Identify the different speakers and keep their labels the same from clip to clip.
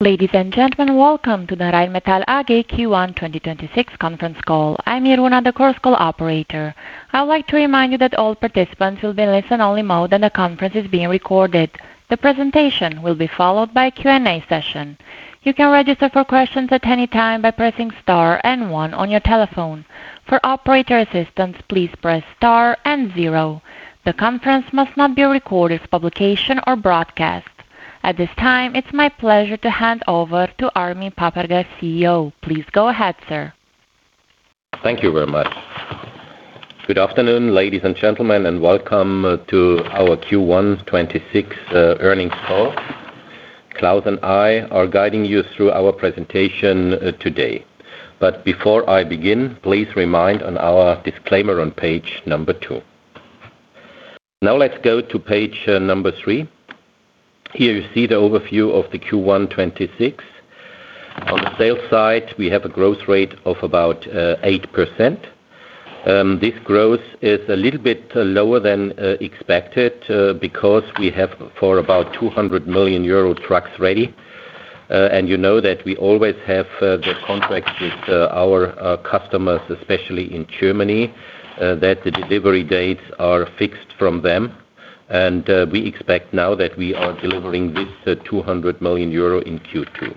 Speaker 1: Ladies and gentlemen, Welcome to the Rheinmetall AG Q1 2026 Conference Call. I'm Iruna, the Chorus Call operator. I would like to remind you that all participants will be in listen-only mode, and the conference is being recorded. The presentation will be followed by a Q&A session. You can register for questions at any time by pressing star 1 on your telephone. For operator assistance, please press star 0. The conference must not be recorded for publication or broadcast. At this time, it's my pleasure to hand over to Armin Papperger, CEO. Please go ahead, sir.
Speaker 2: Thank you very much. Good afternoon, ladies and gentlemen, and welcome to our Q1 2026 earnings call. Klaus and I are guiding you through our presentation today. Before I begin, please remind on our disclaimer on page 2. Let's go to page 3. Here you see the overview of the Q1 2026. On the sales side, we have a growth rate of about 8%. This growth is a little bit lower than expected because we have for about 200 million euro trucks ready. You know that we always have the contracts with our customers, especially in Germany, that the delivery dates are fixed from them. We expect now that we are delivering this 200 million euro in Q2.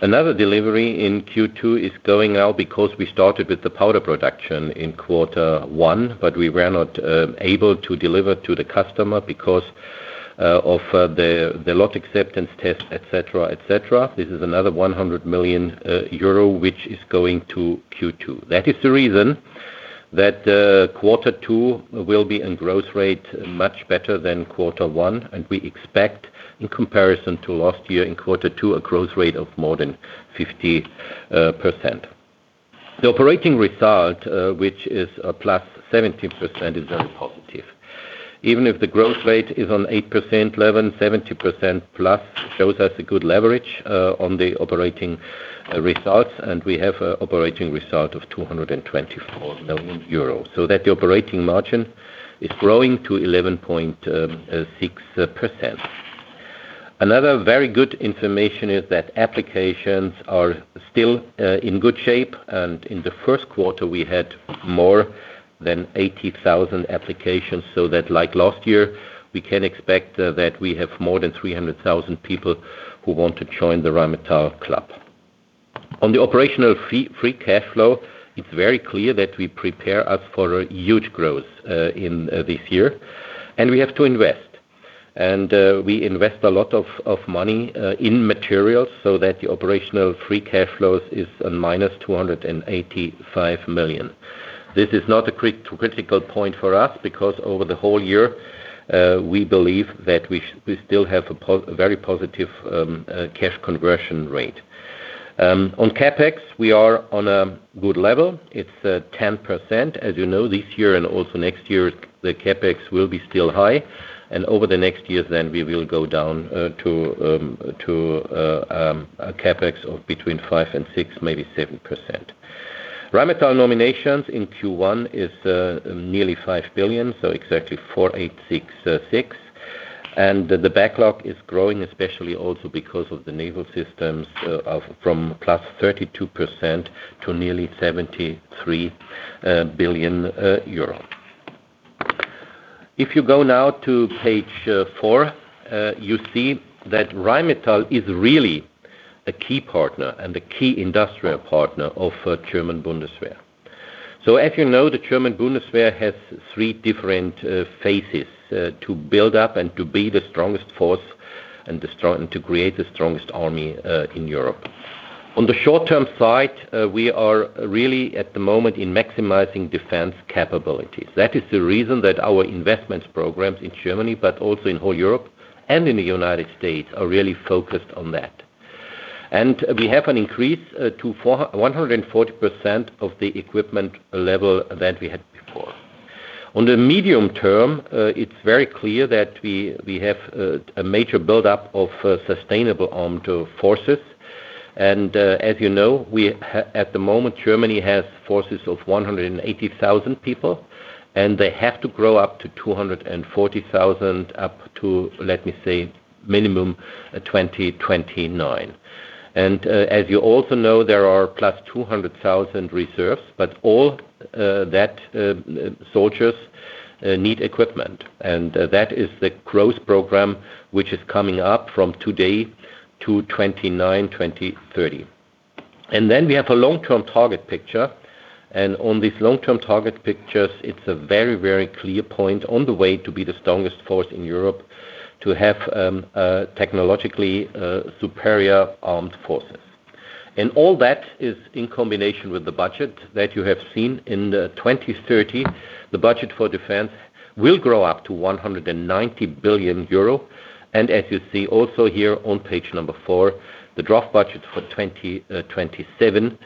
Speaker 2: Another delivery in Q2 is going out because we started with the powder production in quarter one. We were not able to deliver to the customer because of the lot acceptance test, et cetera, et cetera. This is another 100 million euro, which is going to Q2. The reason that quarter two will be in growth rate much better than quarter one, and we expect, in comparison to last year, in quarter two, a growth rate of more than 50%. The operating result, which is +17%, is very positive. Even if the growth rate is on 8% level, 70%+ shows us a good leverage on the operating results, we have an operating result of 224 million euros, that the operating margin is growing to 11.6%. Another very good information is that applications are still in good shape, in the first quarter, we had more than 80,000 applications that like last year, we can expect that we have more than 300,000 people who want to join the Rheinmetall club. On the operational free cash flow, it is very clear that we prepare for a huge growth in this year, we have to invest. We invest a lot of money in materials so that the operational free cash flows is on minus 285 million. This is not a critical point for us because over the whole year, we believe that we still have a very positive cash conversion rate. On CapEx, we are on a good level. It's 10%. As you know, this year and also next year's, the CapEx will be still high. Over the next years, we will go down to a CapEx of between 5% and 6%, maybe 7%. Rheinmetall nominations in Q1 is nearly 5 billion, so exactly 4,866 million. The backlog is growing, especially also because of the Naval Systems, of from +32% to nearly 73 billion euro. If you go now to page 4, you see that Rheinmetall is really a key partner and a key industrial partner of German Bundeswehr. As you know, the German Bundeswehr has 3 different phases to build up and to be the strongest force and to create the strongest army in Europe. On the short-term side, we are really at the moment in maximizing defense capabilities. That is the reason that our investments programs in Germany, but also in whole Europe and in the U.S., are really focused on that. We have an increase to 140% of the equipment level than we had before. On the medium term, it's very clear that we have a major buildup of sustainable armed forces. As you know, at the moment, Germany has forces of 180,000 people, and they have to grow up to 240,000 up to, let me say, minimum, 2029. As you also know, there are +200,000 reserves, but all that soldiers need equipment. That is the growth program which is coming up from today to 2029, 2030. We have a long-term target picture. On this long-term target pictures, it's a very clear point on the way to be the strongest force in Europe to have a technologically superior armed forces. All that is in combination with the budget that you have seen in 2030. The budget for defense will grow up to 190 billion euro. As you see also here on page number 4, the draft budget for 2027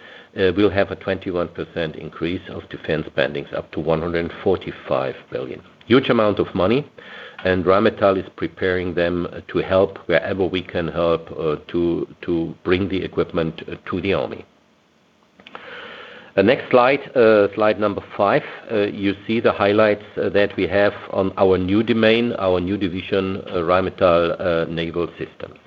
Speaker 2: will have a 21% increase of defense spendings up to 145 billion. Huge amount of money, Rheinmetall is preparing them to help wherever we can help to bring the equipment to the army. The next slide number 5, you see the highlights that we have on our new domain, our new division, Rheinmetall Naval Systems.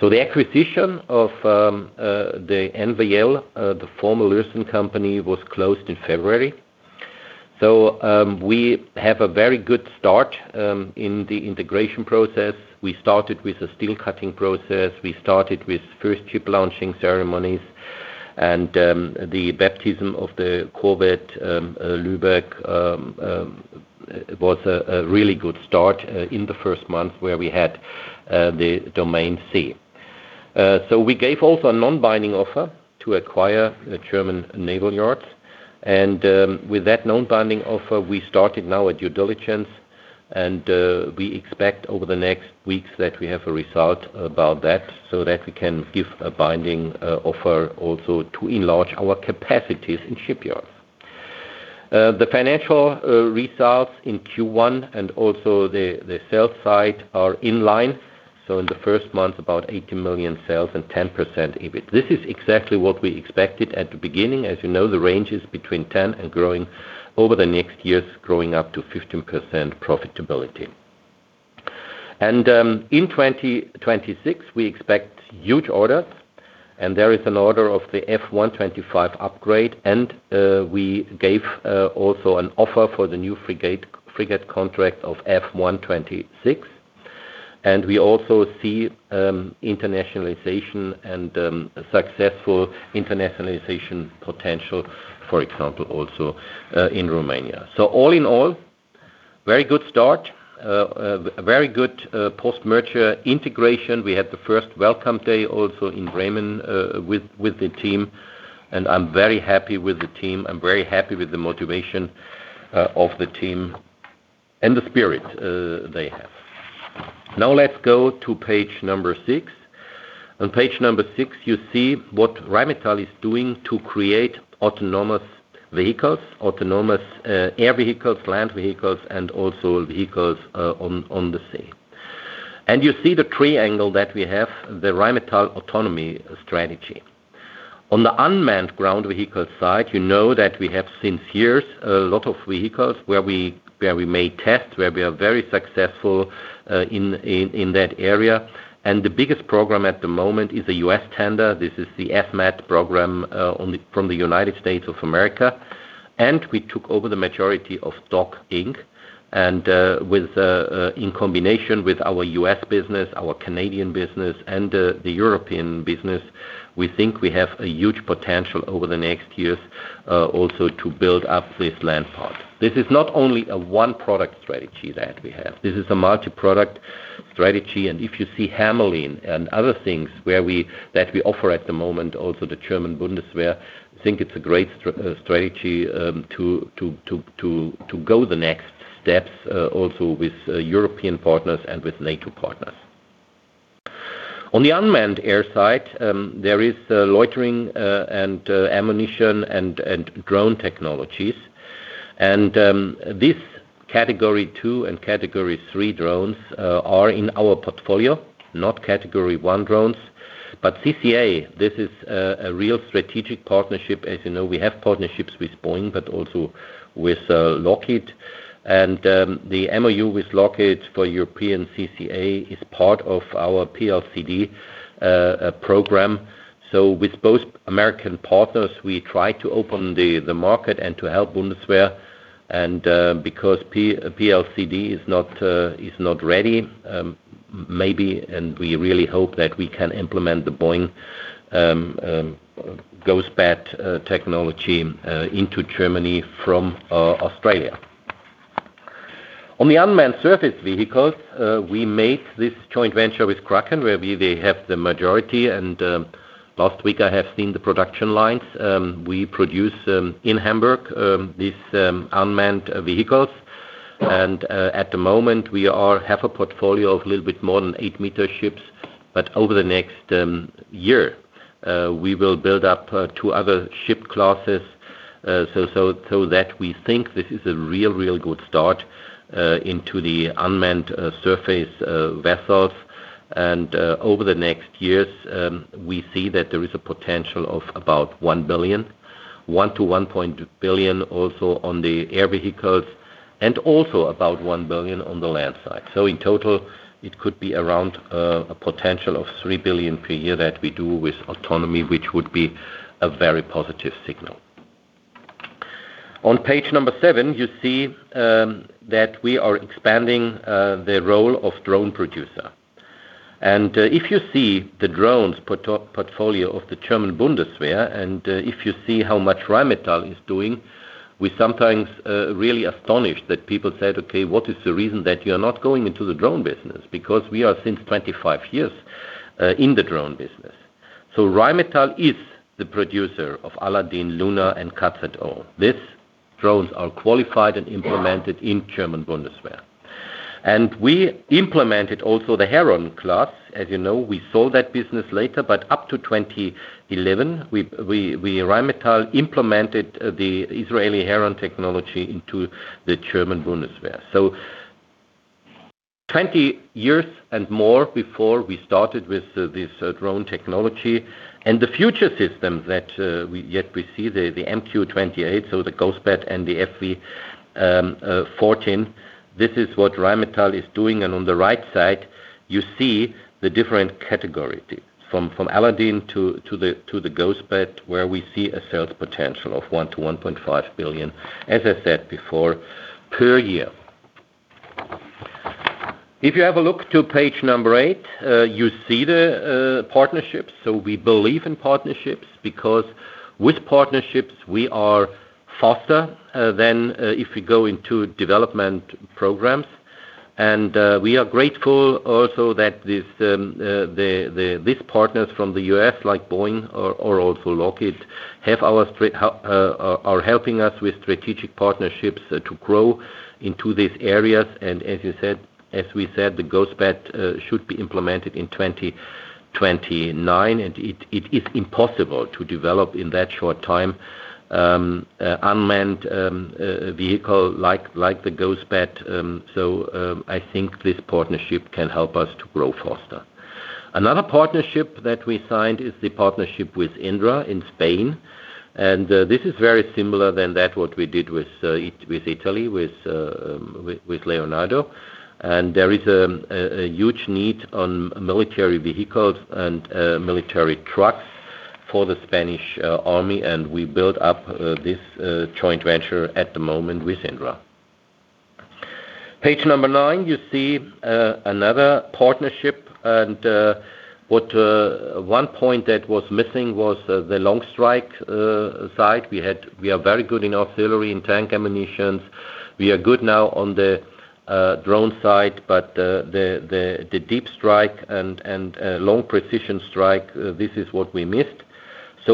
Speaker 2: The acquisition of the NVL, the former Lürssen company, was closed in February. We have a very good start in the integration process. We started with a steel cutting process. We started with first ship launching ceremonies, and the baptism of the corvette Lübeck was a really good start in the first month where we had the Domain Sea. We gave also a non-binding offer to acquire the German Naval Yards. With that non-binding offer, we started now a due diligence and we expect over the next weeks that we have a result about that so that we can give a binding offer also to enlarge our capacities in shipyards. The financial results in Q1 and also the sales side are in line, so in the first month, about 80 million sales and 10% EBIT. This is exactly what we expected at the beginning. As you know, the range is between 10 and growing over the next years, growing up to 15% profitability. In 2026, we expect huge orders, there is an order of the F125 upgrade, we gave also an offer for the new frigate contract of F126. We also see internationalization and successful internationalization potential, for example, also in Romania. All in all, very good start, very good post-merger integration. We had the first welcome day also in Bremen, with the team, and I'm very happy with the team. I'm very happy with the motivation of the team and the spirit they have. Now let's go to page number 6. On page number 6, you see what Rheinmetall is doing to create autonomous vehicles, autonomous air vehicles, land vehicles, and also vehicles on the sea. You see the triangle that we have, the Rheinmetall autonomy strategy. On the unmanned ground vehicle side, you know that we have since years a lot of vehicles where we made tests, where we are very successful in that area. The biggest program at the moment is the U.S. tender. This is the FMTV program from the United States of America. We took over the majority of DOK-ING. In combination with our U.S. business, our Canadian business, and the European business, we think we have a huge potential over the next years also to build up this land part. This is not only a one-product strategy that we have. This is a multi-product strategy. If you see Hermelin and other things where we that we offer at the moment also the German Bundeswehr think it's a great strategy to go the next steps also with European partners and with NATO partners. On the unmanned air side there is loitering and ammunition and drone technologies. This category 2 and category 3 drones are in our portfolio not category 1 drones. CCA this is a real strategic partnership. As you know we have partnerships with Boeing but also with Lockheed. The MOU with Lockheed for European CCA is part of our PLCD program. With both American partners, we try to open the market and to help Bundeswehr. Because PLCD is not ready, maybe, and we really hope that we can implement the Boeing Ghost Bat technology into Germany from Australia. On the unmanned surface vehicles, we made this joint venture with Kraken, where they have the majority. Last week I have seen the production lines. We produce in Hamburg these unmanned vehicles. At the moment we have a portfolio of a little bit more than 8-meter ships. Over the next year, we will build up two other ship classes. So that we think this is a real good start into the unmanned surface vessels. Over the next years, we see that there is a potential of about 1 billion, 1 billion-1.1 billion also on the air vehicles, and also about 1 billion on the land side. In total, it could be around a potential of 3 billion per year that we do with autonomy, which would be a very positive signal. On page number 7, you see that we are expanding the role of drone producer. If you see the drones portfolio of the German Bundeswehr, and if you see how much Rheinmetall is doing, we sometimes really astonished that people said, "Okay, what is the reason that you're not going into the drone business?" Because we are since 25 years in the drone business. Rheinmetall is the producer of Aladin, Luna, and KZO. These drones are qualified and implemented in German Bundeswehr. We implemented also the Heron class. As you know, we sold that business later, but up to 2011, we Rheinmetall implemented the Israeli Heron technology into the German Bundeswehr. 20 years and more before we started with the, this drone technology and the future systems that yet we see, the MQ-28, so the Ghost Bat and the FV fourteen, this is what Rheinmetall is doing. On the right side, you see the different category. From Aladin to the Ghost Bat, where we see a sales potential of 1 billion-1.5 billion, as I said before, per year. If you have a look to page number 8, you see the partnerships. We believe in partnerships because with partnerships, we are faster than if we go into development programs. We are grateful also that these partners from the U.S. like Boeing or also Lockheed Martin are helping us with strategic partnerships to grow into these areas. As we said, the Ghost Bat should be implemented in 2029, and it is impossible to develop in that short time unmanned vehicle like the Ghost Bat. I think this partnership can help us to grow faster. Another partnership that we signed is the partnership with Indra in Spain. This is very similar than that what we did with Italy, with Leonardo. There is a huge need on military vehicles and military trucks for the Spanish Army, and we build up this joint venture at the moment with Indra. Page number 9, you see another partnership and what 1 point that was missing was the long strike side. We are very good in artillery and tank ammunitions. We are good now on the drone side, but the deep strike and long precision strike, this is what we missed.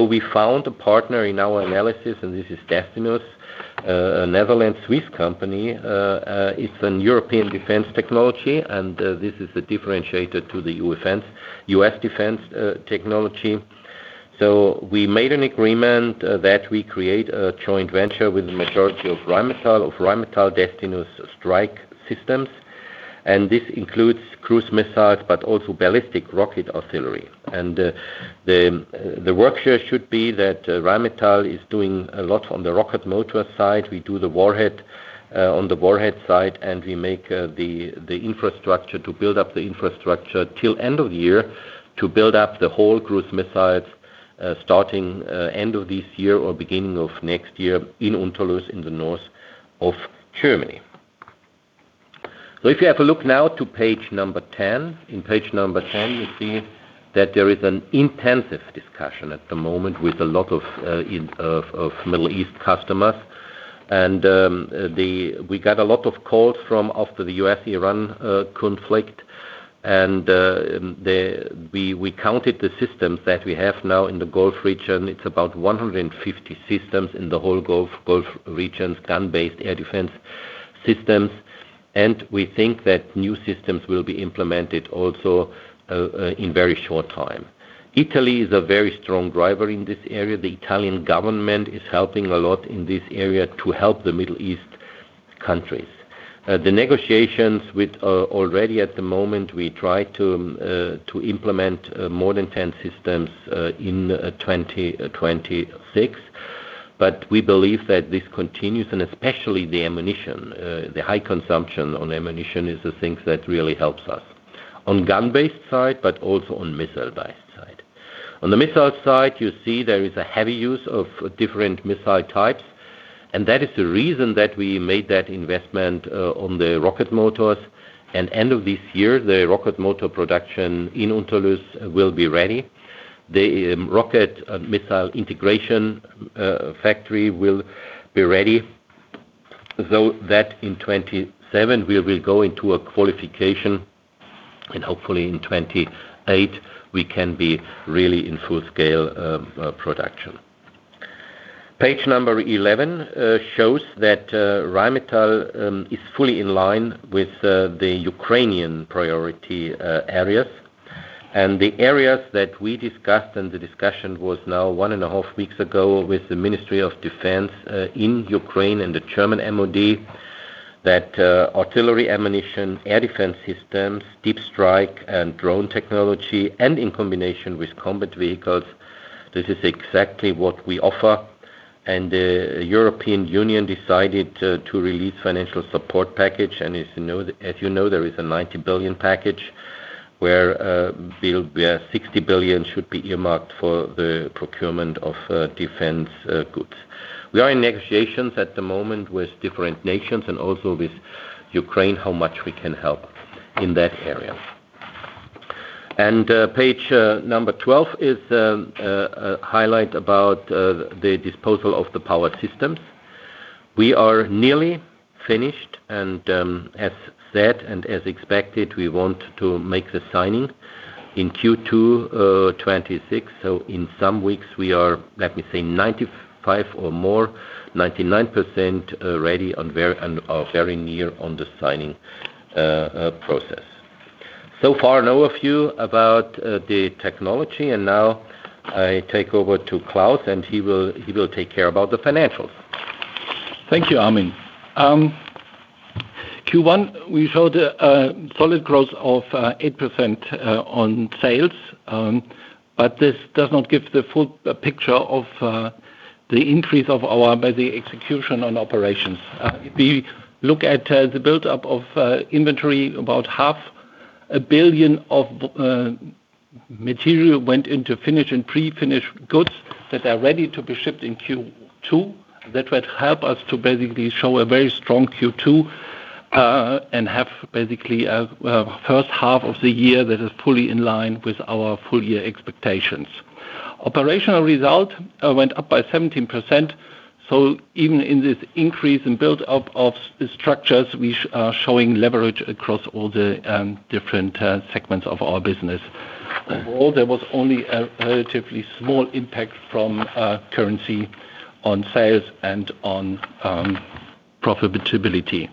Speaker 2: We found a partner in our analysis, and this is Destinus, a Netherlands-Swiss company. It's an European defense technology, and this is a differentiator to the U.S. defense technology. We made an agreement that we create a joint venture with the majority of Rheinmetall Destinus Strike Systems. This includes cruise missiles, but also ballistic rocket artillery. The work here should be that Rheinmetall is doing a lot on the rocket motor side. We do the warhead on the warhead side, and we make the infrastructure to build up the infrastructure till end of the year to build up the whole cruise missiles, starting end of this year or beginning of next year in Unterlüß in the north of Germany. If you have a look now to page number 10. In page number 10, you see that there is an intensive discussion at the moment with a lot of Middle East customers. We got a lot of calls from after the U.S.-Iran conflict. We counted the systems that we have now in the Gulf region. It's about 150 systems in the whole Gulf region, gun-based air defense systems. We think that new systems will be implemented also in very short time. Italy is a very strong driver in this area. The Italian government is helping a lot in this area to help the Middle East countries. The negotiations with already at the moment, we try to implement more than 10 systems in 2026. We believe that this continues, and especially the ammunition, the high consumption on ammunition is the thing that really helps us on gun-based side, but also on missile-based side. On the missile side, you see there is a heavy use of different missile types, and that is the reason that we made that investment on the rocket motors. End of this year, the rocket motor production in Unterlüß will be ready. The rocket missile integration factory will be ready. In 2027, we will go into a qualification and hopefully in 2028, we can be really in full scale production. Page number 11 shows that Rheinmetall is fully in line with the Ukrainian priority areas. The areas that we discussed, and the discussion was now one and a half weeks ago with the Ministry of Defence in Ukraine and the German MoD, that artillery ammunition, air defense systems, deep strike, and drone technology, and in combination with combat vehicles, this is exactly what we offer. The European Union decided to release financial support package. If you know, as you know, there is a 90 billion package where 60 billion should be earmarked for the procurement of defense goods. We are in negotiations at the moment with different nations and also with Ukraine, how much we can help in that area. Page number 12 is a highlight about the disposal of the Power Systems. We are nearly finished and, as said and as expected, we want to make the signing in Q2 2026. In some weeks we are, let me say, 95% or more, 99% ready and are very near on the signing process. I know a few about the technology. Now I take over to Klaus, and he will take care about the financials.
Speaker 3: Thank you, Armin. Q1, we showed a solid growth of 8% on sales. This does not give the full picture of the increase of our basic execution on operations. If you look at the buildup of inventory, about 0.5 billion of material went into finished and pre-finished goods that are ready to be shipped in Q2. That would help us to basically show a very strong Q2 and have basically a first half of the year that is fully in line with our full year expectations. Operational result went up by 17%, so even in this increase in build-up of structures, we are showing leverage across all the different segments of our business. Overall, there was only a relatively small impact from currency on sales and on profitability.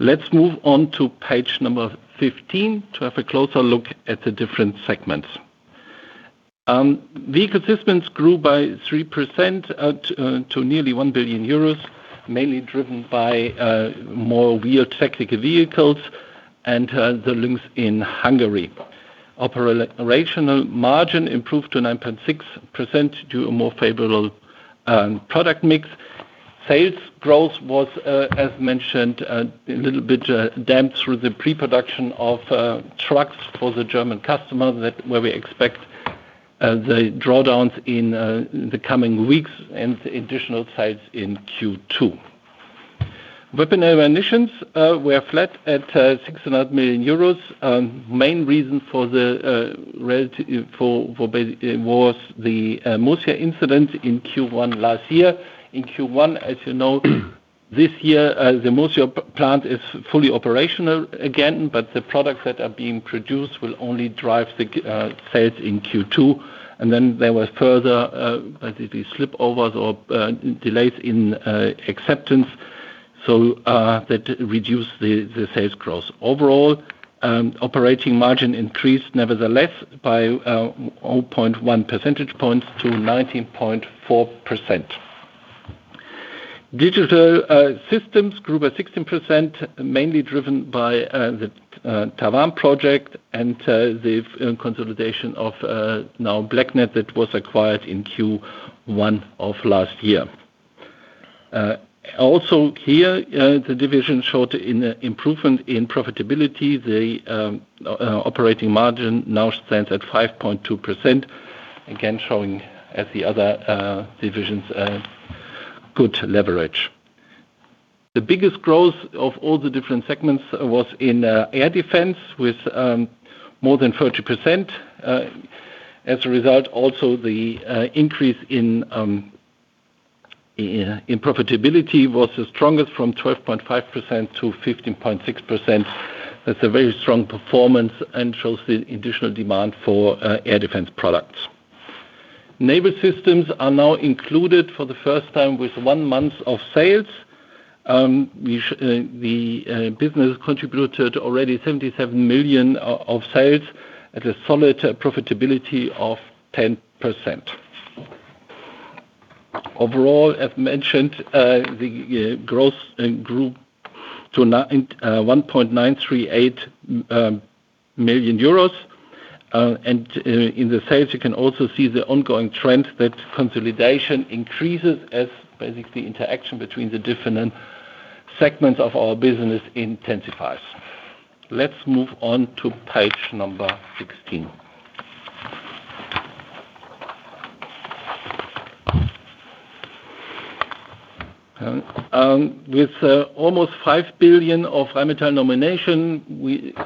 Speaker 3: Let's move on to page number 15 to have a closer look at the different segments. Vehicle Systems grew by 3% to nearly 1 billion euros, mainly driven by more wheeled tactical vehicles and the Lynx in Hungary. Operational margin improved to 9.6% to a more favorable product mix. Sales growth was as mentioned a little bit damped through the pre-production of trucks for the German customer where we expect the drawdowns in the coming weeks and additional sales in Q2. Weapon and Ammunition were flat at 600 million euros. Main reason for the relative was the Macassar incident in Q1 last year. In Q1, as you know, this year, the Macassar plant is fully operational again, but the products that are being produced will only drive the sales in Q2. There were further, basically slipovers or delays in acceptance, so that reduced the sales growth. Overall, operating margin increased nevertheless by 0.1 percentage points to 19.4%. Digital Systems grew by 16%, mainly driven by the TaWAN project and the consolidation of now blackned that was acquired in Q1 of last year. Also here, the division showed improvement in profitability. The operating margin now stands at 5.2%, again showing as the other divisions, a good leverage. The biggest growth of all the different segments was in air defense with more than 30%. As a result, also the increase in profitability was the strongest from 12.5%-15.6%. That's a very strong performance and shows the additional demand for air defense products. Naval Systems are now included for the first time with one month of sales. The business contributed already 77 million of sales at a solid profitability of 10%. Overall, as mentioned, the growth grew to 1.938 million euros. In the sales, you can also see the ongoing trend that consolidation increases as basically interaction between the different segments of our business intensifies. Let's move on to page number 16. With almost 5 billion of Rheinmetall nomination,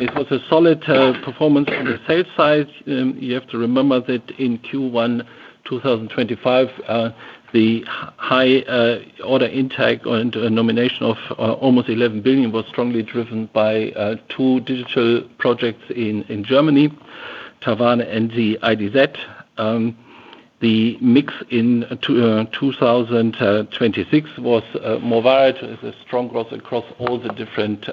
Speaker 3: it was a solid performance on the sales side. You have to remember that in Q1 2025, the high order intake and nomination of almost 11 billion was strongly driven by two digital projects in Germany, TaWAN and the IdZ. The mix in 2026 was more wide. It's a strong growth across all the different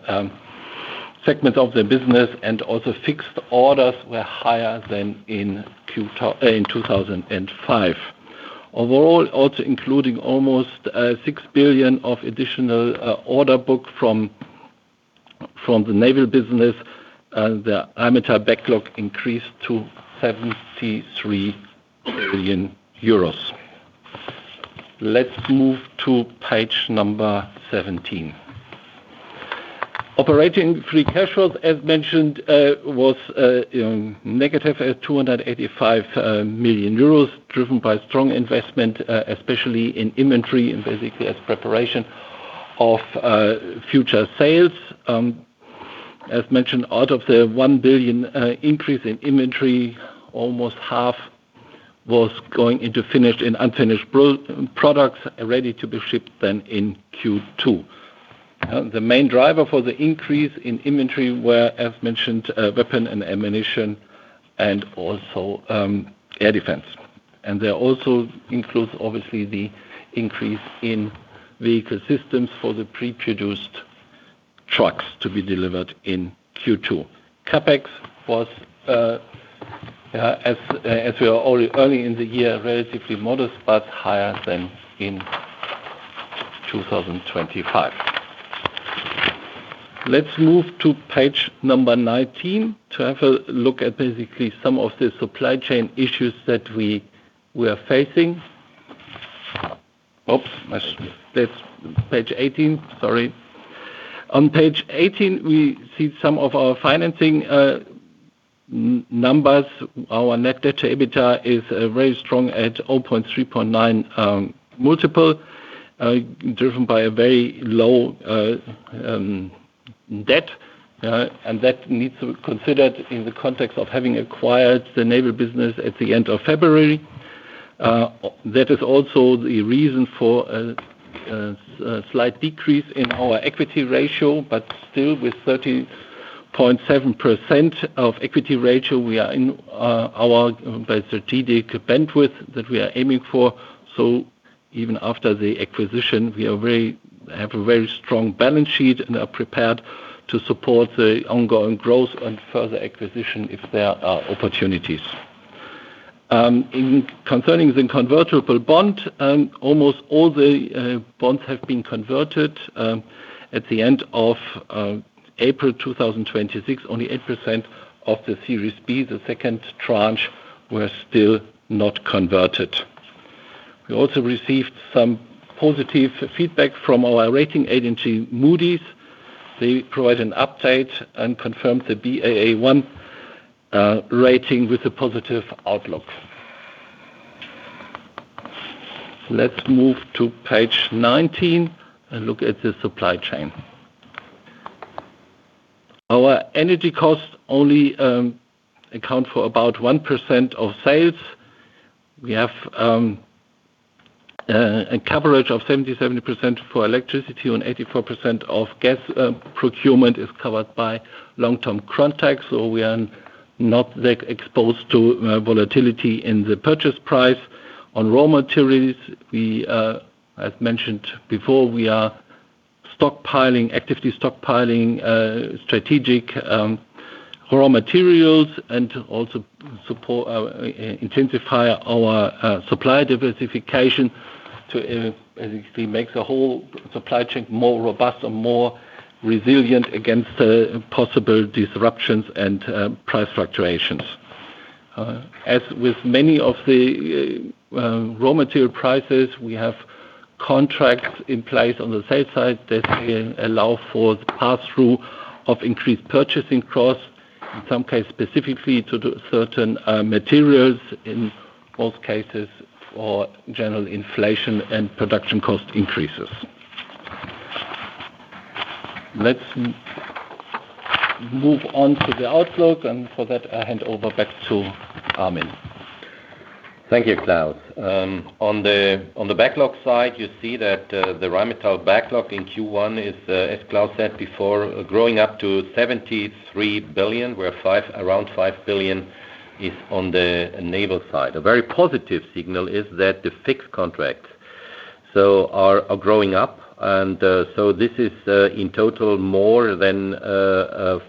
Speaker 3: segments of the business, and also fixed orders were higher than in 2005. Overall, also including almost 6 billion of additional order book from the naval business, the Rheinmetall backlog increased to 73 billion EUR. Let's move to page number 17. Operating free cash flow, as mentioned, was negative at 285 million euros, driven by strong investment, especially in inventory and basically as preparation of future sales. As mentioned, out of the 1 billion increase in inventory, almost half was going into finished and unfinished products ready to be shipped then in Q2. The main driver for the increase in inventory were, as mentioned, Weapon and Ammunition and also air defense. They also includes obviously the increase in Vehicle Systems for the pre-produced trucks to be delivered in Q2. CapEx was as we are earning in the year, relatively modest, but higher than in 2025. Let's move to page number 19 to have a look at basically some of the supply chain issues that we are facing. Oops, that's page 18. Sorry. On page 18, we see some of our financing numbers. Our net debt to EBITDA is very strong at 0.39x, driven by a very low debt. That needs to be considered in the context of having acquired the naval business at the end of February. That is also the reason for a slight decrease in our equity ratio, but still with 30.7% of equity ratio, we are in our by strategic bandwidth that we are aiming for. Even after the acquisition, we have a very strong balance sheet and are prepared to support the ongoing growth and further acquisition if there are opportunities. Concerning the convertible bond, almost all the bonds have been converted. At the end of April 2026, only 8% of the Series B, the second tranche, were still not converted. We also received some positive feedback from our rating agency, Moody's. They provide an update and confirmed the Baa1 rating with a positive outlook. Let's move to page 19 and look at the supply chain. Our energy costs only account for about 1% of sales. We have a coverage of 77% for electricity and 84% of gas procurement is covered by long-term contracts. We are not, like, exposed to volatility in the purchase price. On raw materials, we, as mentioned before, we are stockpiling, actively stockpiling, strategic raw materials and to also support our intensify our supply diversification to basically make the whole supply chain more robust and more resilient against the possible disruptions and price fluctuations. As with many of the raw material prices, we have contracts in place on the sale side that can allow for the pass-through of increased purchasing costs, in some cases specifically to the certain materials, in both cases for general inflation and production cost increases. Let's move on to the outlook. For that, I hand over back to Armin.
Speaker 2: Thank you, Klaus. On the, on the backlog side, you see that the Rheinmetall backlog in Q1 is, as Klaus said before, growing up to 73 billion, where around 5 billion is on the naval side. A very positive signal is that the fixed contracts are growing up. This is in total more than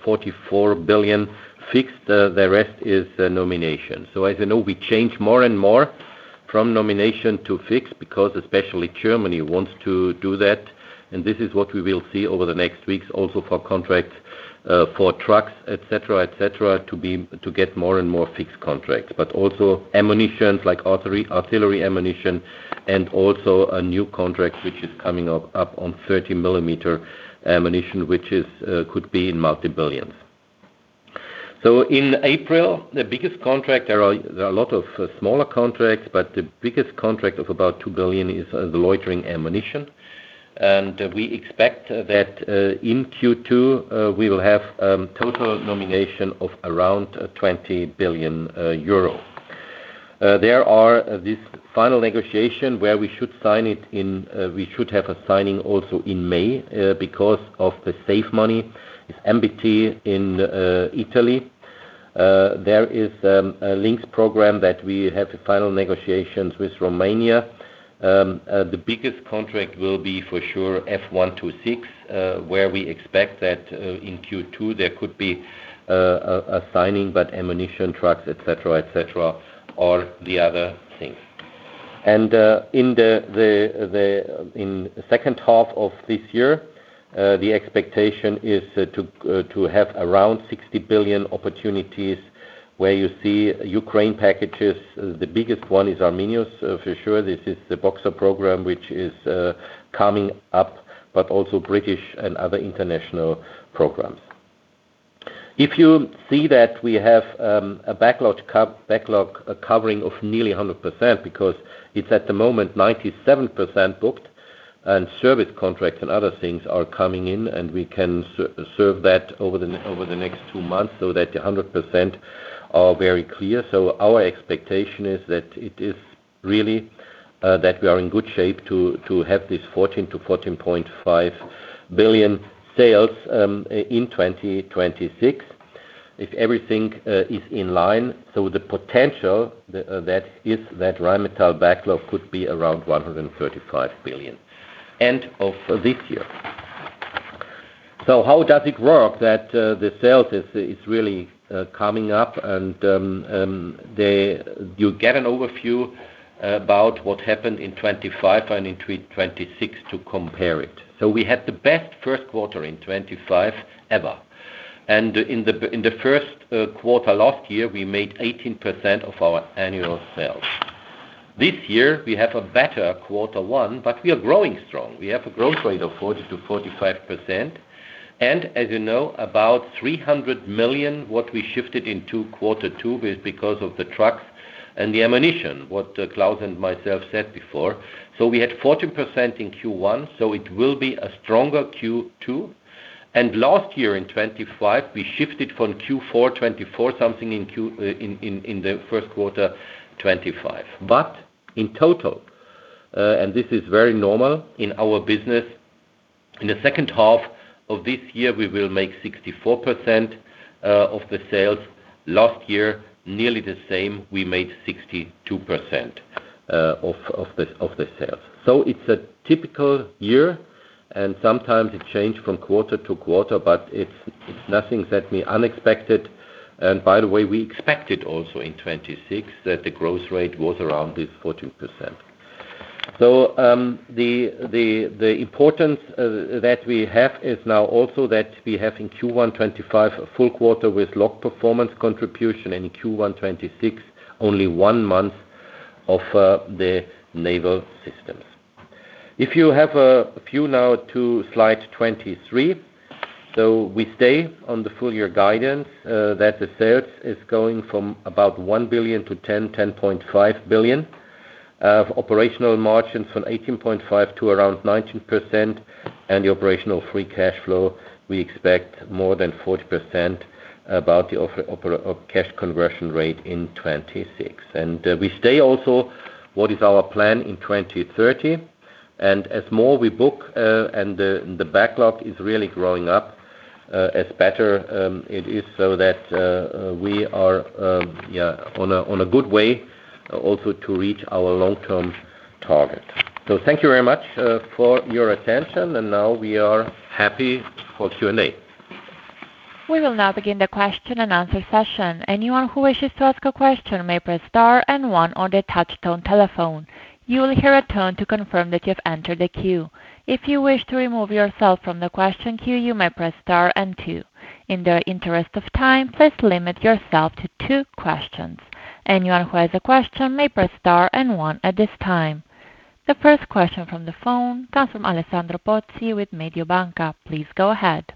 Speaker 2: 44 billion fixed. The rest is the nomination. As you know, we change more and more from nomination to fixed because especially Germany wants to do that. This is what we will see over the next weeks also for contracts, for trucks, et cetera, et cetera, to get more and more fixed contracts, but also ammunitions like artillery ammunition and also a new contract which is coming up on 30-millimeter ammunition, which could be in multi-billions. In April, the biggest contract, there are a lot of smaller contracts, but the biggest contract of about 2 billion is the loitering ammunition. We expect that in Q2, we will have total nomination of around 20 billion euro. There are this final negotiation where we should sign it in, we should have a signing also in May, because of the safe money. It's MBT in Italy. There is a Lynx program that we have final negotiations with Romania. The biggest contract will be for sure F126, where we expect that in Q2, there could be a signing, but ammunition trucks, et cetera, et cetera, or the other things. In the second half of this year, the expectation is to have around 60 billion opportunities where you see Ukraine packages. The biggest one is Arminius for sure. This is the Boxer program, which is coming up, but also British and other international programs. If you see that we have a backlog co-backlog covering of nearly 100%, because it's at the moment 97% booked and service contracts and other things are coming in, and we can serve that over the next 2 months so that the 100% are very clear. Our expectation is that it is really that we are in good shape to have this 14 billion to 14.5 billion sales in 2026. If everything is in line, the potential that is that Rheinmetall backlog could be around 135 billion end of this year. How does it work that the sales is really coming up and you get an overview about what happened in 2025 and in 2026 to compare it. We had the best first quarter in 2025 ever. In the first quarter last year, we made 18% of our annual sales. This year we have a better quarter one, but we are growing strong. We have a growth rate of 40%-45%. As you know, about 300 million, what we shifted into quarter 2 is because of the trucks and the ammunition, what Klaus and myself said before. We had 14% in Q1, so it will be a stronger Q2. Last year in 2025, we shifted from Q4 2024 something in the first quarter 2025. In total, and this is very normal in our business, in the second half of this year we will make 64% of the sales. Last year, nearly the same, we made 62% of the sales. It's a typical year, and sometimes it change from quarter to quarter, but it's nothing that we unexpected. By the way, we expected also in 2026 that the growth rate was around this 14%. The, the importance that we have is now also that we have in Q1 2025 a full quarter with Loc Performance contribution, in Q1 2026, only one month of the Naval Systems. If you have a view now to slide 23. We stay on the full year guidance that the sales is going from about 1 billion to 10 billion, 10.5 billion. Operational margins from 18.5% to around 19%. The operational free cash flow, we expect more than 40% about the operational cash conversion rate in 2026. We stay also what is our plan in 2030. As more we book, the backlog is really growing up as better it is so that we are, yeah, on a good way also to reach our long-term target. Thank you very much for your attention. Now we are happy for Q&A.
Speaker 1: We will now begin the question-and-answer session. Anyone who wishes to ask a question may press star and one on their touchtone telephone. You will hear a tone to confirm that you've entered the queue. If you wish to remove yourself from the question queue, you may press star and two. In the interest of time, please limit yourself to two questions. Anyone who has a question may press star and one at this time. The first question from the phone comes from Alessandro Pozzi with Mediobanca. Please go ahead.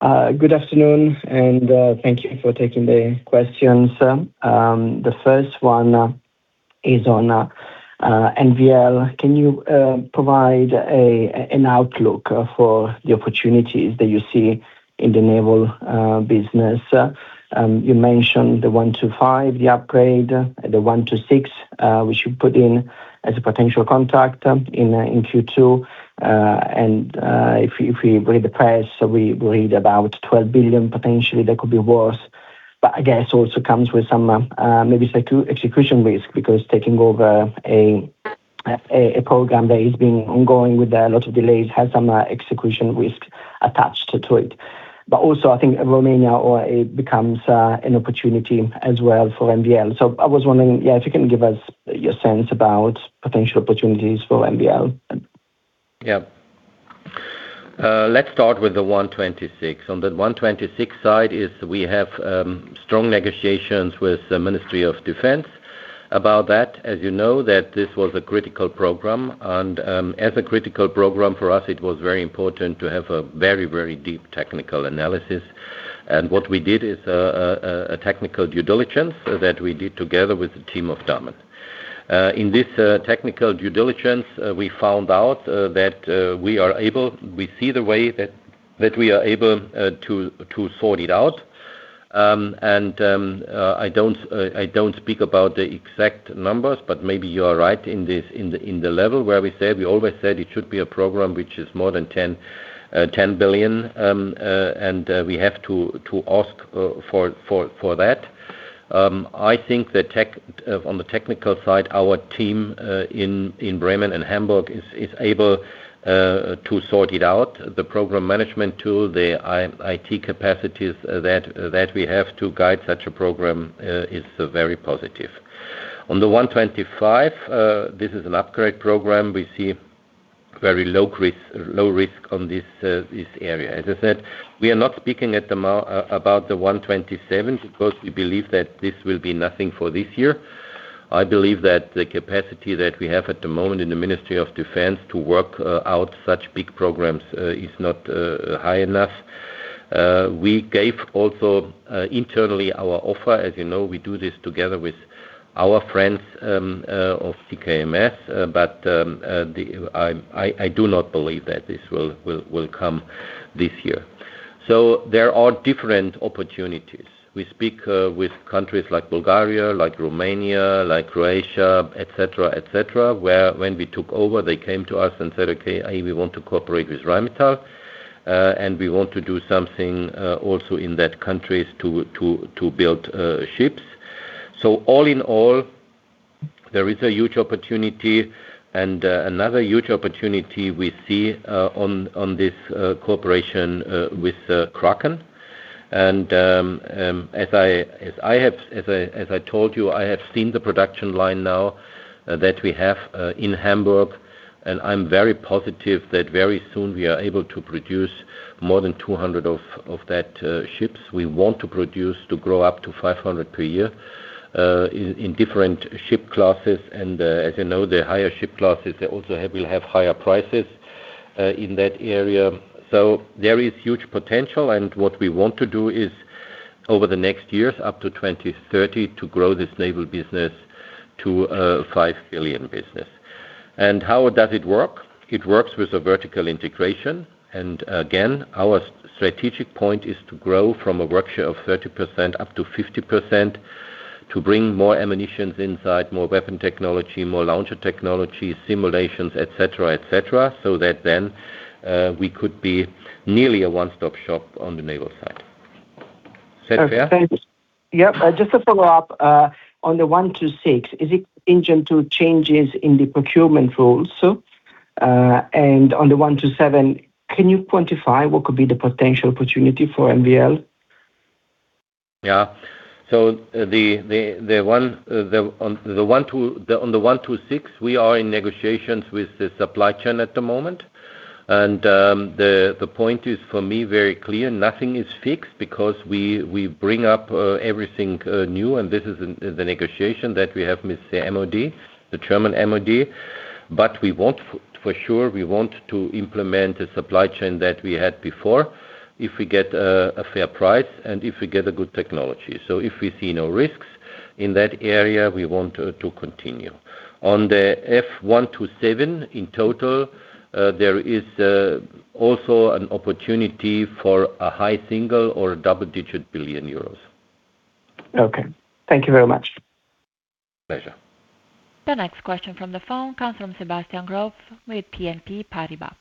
Speaker 4: Good afternoon and thank you for taking the questions. The first one is on NVL. Can you provide an outlook for the opportunities that you see in the naval business? You mentioned the F125, the upgrade, the F126, which you put in as a potential contract in Q2. If you read the press, we read about 12 billion potentially that could be worse. I guess also comes with some, maybe say too, execution risk, because taking over a program that is being ongoing with a lot of delays has some execution risk attached to it. Also, I think Romania or it becomes an opportunity as well for NVL. I was wondering, yeah, if you can give us your sense about potential opportunities for NVL.
Speaker 2: Yeah. let's start with the 126. On the 126 side is we have strong negotiations with the Ministry of Defense about that. As you know, that this was a critical program, as a critical program for us, it was very important to have a very, very deep technical analysis. What we did is a technical due diligence that we did together with the team of Damen. In this technical due diligence, we found out that we see the way that we are able to sort it out. I don't speak about the exact numbers, but maybe you are right in this, in the, in the level where we said, we always said it should be a program which is more than 10 billion. We have to ask for that. I think on the technical side, our team in Bremen and Hamburg is able to sort it out. The program management tool, the I-IT capacities that we have to guide such a program is very positive. On the F125, this is an upgrade program. We see very low risk on this area. As I said, we are not speaking about the F127 because we believe that this will be nothing for this year. I believe that the capacity that we have at the moment in the Ministry of Defense to work out such big programs is not high enough. We gave also internally our offer. As you know, we do this together with our friends of TKMS. I do not believe that this will come this year. There are different opportunities. We speak with countries like Bulgaria, like Romania, like Croatia, et cetera, et cetera, where when we took over, they came to us and said, "Okay, we want to cooperate with Rheinmetall, and we want to do something also in that countries to build ships." All in all, there is a huge opportunity and another huge opportunity we see on this cooperation with Kraken. As I told you, I have seen the production line now that we have in Hamburg, and I'm very positive that very soon we are able to produce more than 200 of that ships. We want to produce to grow up to 500 per year in different ship classes. As you know, the higher ship classes, they also will have higher prices in that area. There is huge potential, and what we want to do is over the next years, up to 2030, to grow this naval business to a 5 billion business. How does it work? It works with a vertical integration. Again, our strategic point is to grow from a work share of 30% up to 50%, to bring more ammunitions inside, more weapon technology, more launcher technology, simulations, et cetera, et cetera, so that then we could be nearly a one-stop shop on the naval side. Is that fair?
Speaker 4: Yeah. Just to follow up, on the F126, is it engine to changes in the procurement rules? On the F127, can you quantify what could be the potential opportunity for NVL?
Speaker 2: The F126, we are in negotiations with the supply chain at the moment. The point is for me very clear, nothing is fixed because we bring up everything new and this is in the negotiation that we have with the MoD, the German MoD. We want for sure, we want to implement a supply chain that we had before if we get a fair price and if we get a good technology. If we see no risks in that area, we want to continue. On the F127 in total, there is also an opportunity for a high single or double-digit billion EUR.
Speaker 4: Okay. Thank you very much.
Speaker 2: Pleasure.
Speaker 1: The next question from the phone comes from Sebastian Growe with BNP Paribas.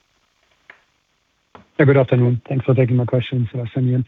Speaker 5: Yeah, good afternoon. Thanks for taking my question, Sebastian.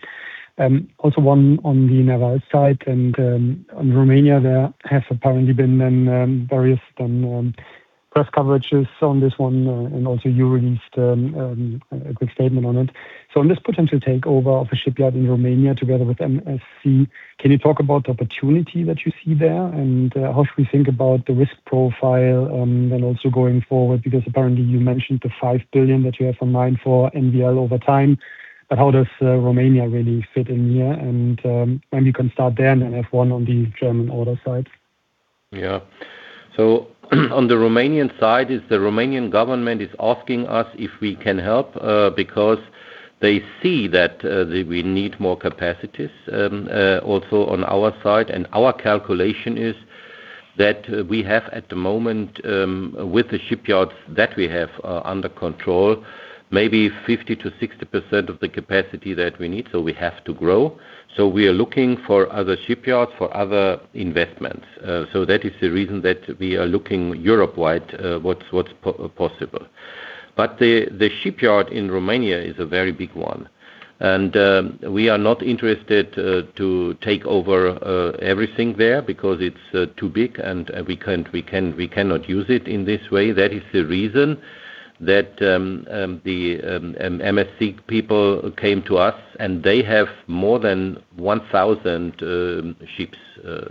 Speaker 5: also one on the naval side and on Romania, there has apparently been various press coverages on this one, and also you released a good statement on it. on this potential takeover of a shipyard in Romania together with MSC, can you talk about the opportunity that you see there and how should we think about the risk profile and also going forward? apparently you mentioned the 5 billion that you have in mind for NVL over time, but how does Romania really fit in here? maybe you can start there and then F one on the German order side.
Speaker 2: On the Romanian side is the Romanian government is asking us if we can help because they see that they, we need more capacities also on our side. Our calculation is that we have at the moment with the shipyards that we have under control, maybe 50%-60% of the capacity that we need, we have to grow. We are looking for other shipyards for other investments. That is the reason that we are looking Europe-wide, what's possible. The shipyard in Romania is a very big one. We are not interested to take over everything there because it's too big and we cannot use it in this way. That is the reason that the MSC people came to us and they have more than 1,000 ships,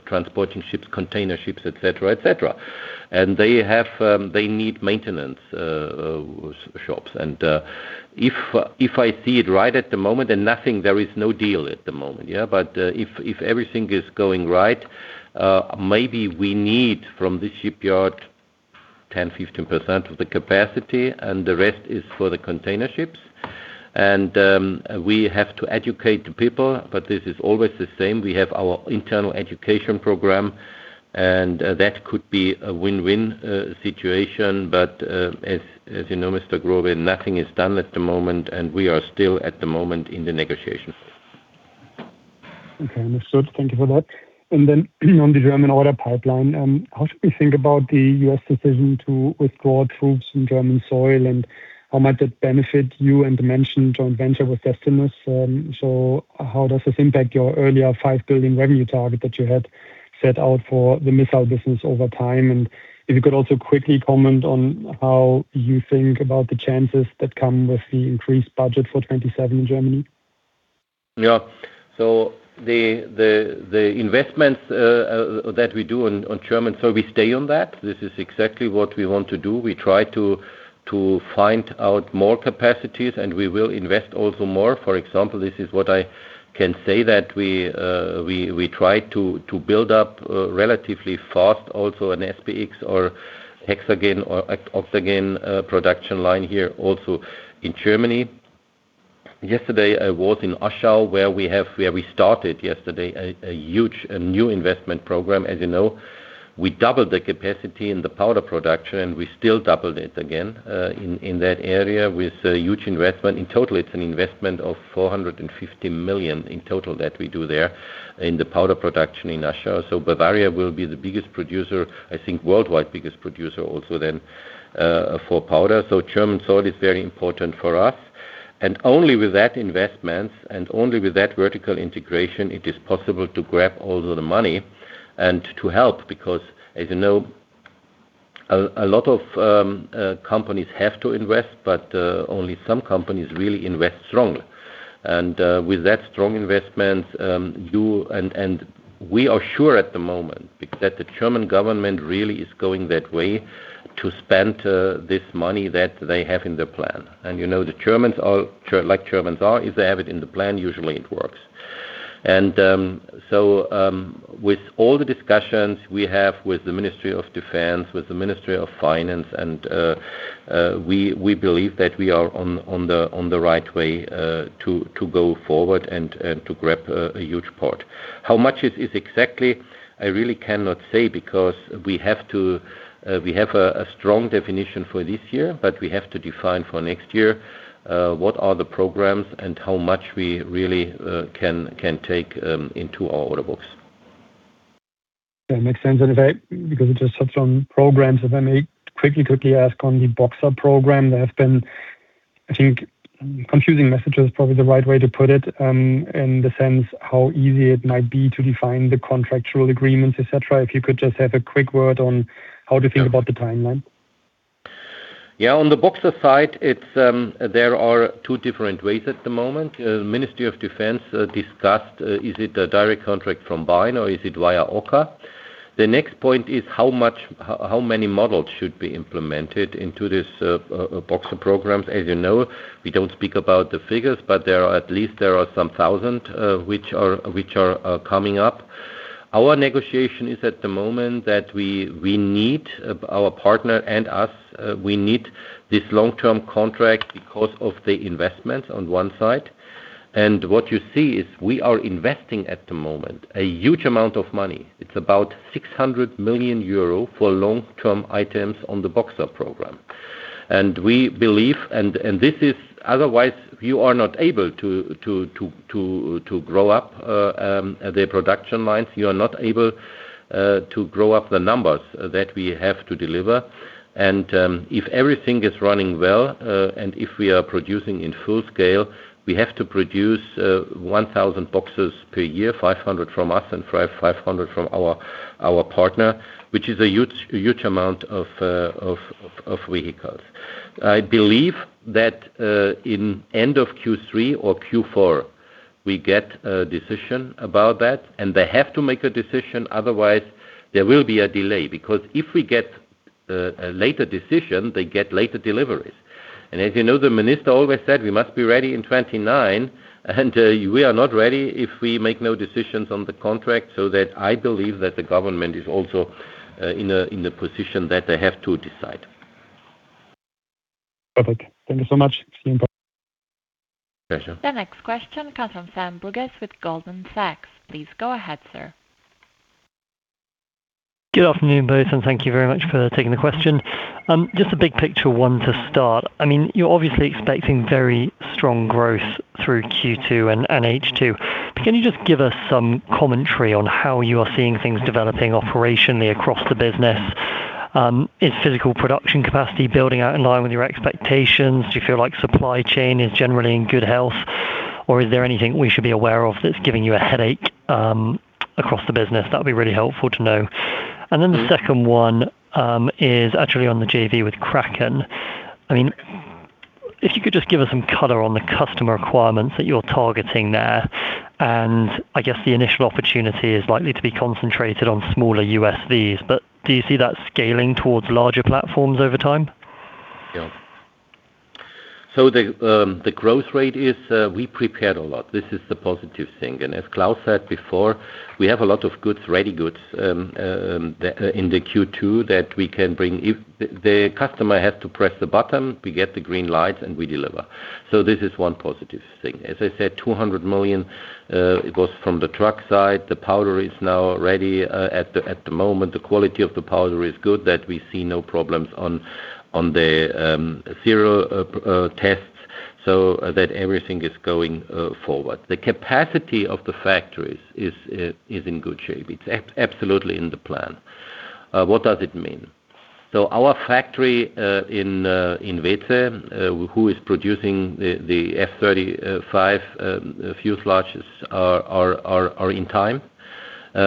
Speaker 2: transporting ships, container ships, et cetera, et cetera. They have, they need maintenance shops. If I see it right at the moment, then nothing, there is no deal at the moment. If everything is going right, maybe we need from the shipyard 10-15% of the capacity and the rest is for the container ships. We have to educate the people, but this is always the same. We have our internal education program that could be a win-win situation. As you know, Mr. Growe, nothing is done at the moment, we are still at the moment in the negotiation.
Speaker 5: Okay. Understood. Thank you for that. On the German order pipeline, how should we think about the U.S. decision to withdraw troops from German soil? How might that benefit you and the mentioned joint venture with Destinus? How does this impact your earlier 5 billion revenue target that you had set out for the missile business over time? If you could also quickly comment on how you think about the chances that come with the increased budget for 2027 in Germany.
Speaker 2: Yeah. The investments that we do on German soil, we stay on that. This is exactly what we want to do. We try to find out more capacities, and we will invest also more. For example, this is what I can say that we try to build up relatively fast also an SPX or Hexagon or Octagon production line here also in Germany. Yesterday, I was in Aschau am Inn where we started yesterday a huge, a new investment program. As you know, we doubled the capacity in the powder production, and we still doubled it again in that area with a huge investment. In total, it's an investment of 450 million in total that we do there in the powder production in Aschau am Inn. Bavaria will be the biggest producer, I think worldwide biggest producer also then for powder. German soil is very important for us. Only with that investment and only with that vertical integration, it is possible to grab all of the money and to help because as you know, a lot of companies have to invest, but only some companies really invest strongly. With that strong investment, you and we are sure at the moment that the German government really is going that way to spend this money that they have in the plan. You know the Germans are, like Germans are, if they have it in the plan, usually it works. With all the discussions we have with the Ministry of Defence, with the Ministry of Finance, we believe that we are on the right way to go forward and to grab a huge part. How much it is exactly, I really cannot say because we have a strong definition for this year, but we have to define for next year what are the programs and how much we really can take into our order books.
Speaker 5: That makes sense. In fact, because it just touched on programs, if I may quickly ask on the Boxer program, there have been, I think, confusing messages, probably the right way to put it, in the sense how easy it might be to define the contractual agreements, et cetera. If you could just have a quick word on how to think about the timeline.
Speaker 2: On the Boxer side, it's, there are 2 different ways at the moment. Ministry of Defense discussed, is it a direct contract from BAAINBw or is it via OCCAR? The next point is how many models should be implemented into this Boxer programs. As you know, we don't speak about the figures, but there are at least there are some 1,000 which are coming up. Our negotiation is at the moment that we need, our partner and us, we need this long-term contract because of the investment on 1 side. What you see is we are investing at the moment a huge amount of money. It's about 600 million euro for long-term items on the Boxer program. We believe, and this is otherwise you are not able to grow up the production lines. You are not able to grow up the numbers that we have to deliver. If everything is running well, and if we are producing in full scale, we have to produce 1,000 Boxers per year, 500 from us and 500 from our partner, which is a huge amount of vehicles. I believe that in end of Q3 or Q4, we get a decision about that. They have to make a decision, otherwise there will be a delay. Because if we get a later decision, they get later deliveries. As you know, the minister always said we must be ready in 29, and we are not ready if we make no decisions on the contract. I believe that the government is also, in a, in a position that they have to decide.
Speaker 5: Perfect. Thank you so much.
Speaker 2: Pleasure.
Speaker 1: The next question comes from Sash Tusa with Goldman Sachs. Please go ahead, sir.
Speaker 6: Good afternoon, both, and thank you very much for taking the question. Just a big picture one to start. I mean, you're obviously expecting very strong growth through Q2 and H2. Can you just give us some commentary on how you are seeing things developing operationally across the business? Is physical production capacity building out in line with your expectations? Do you feel like supply chain is generally in good health, or is there anything we should be aware of that's giving you a headache across the business? That'd be really helpful to know. The second one is actually on the JV with Kraken. I mean, if you could just give us some color on the customer requirements that you're targeting there, and I guess the initial opportunity is likely to be concentrated on smaller USVs, but do you see that scaling towards larger platforms over time?
Speaker 2: The growth rate is, we prepared a lot. This is the positive thing. As Klaus said before, we have a lot of goods, ready goods, in the Q2 that we can bring. If the customer has to press the button, we get the green light and we deliver. This is one positive thing. As I said, 200 million, it was from the truck side. The powder is now ready, at the moment. The quality of the powder is good that we see no problems on the 0 tests, that everything is going forward. The capacity of the factories is in good shape. It's absolutely in the plan. What does it mean? Our factory in Weeze, who is producing the F-35 fuselage sections are in time.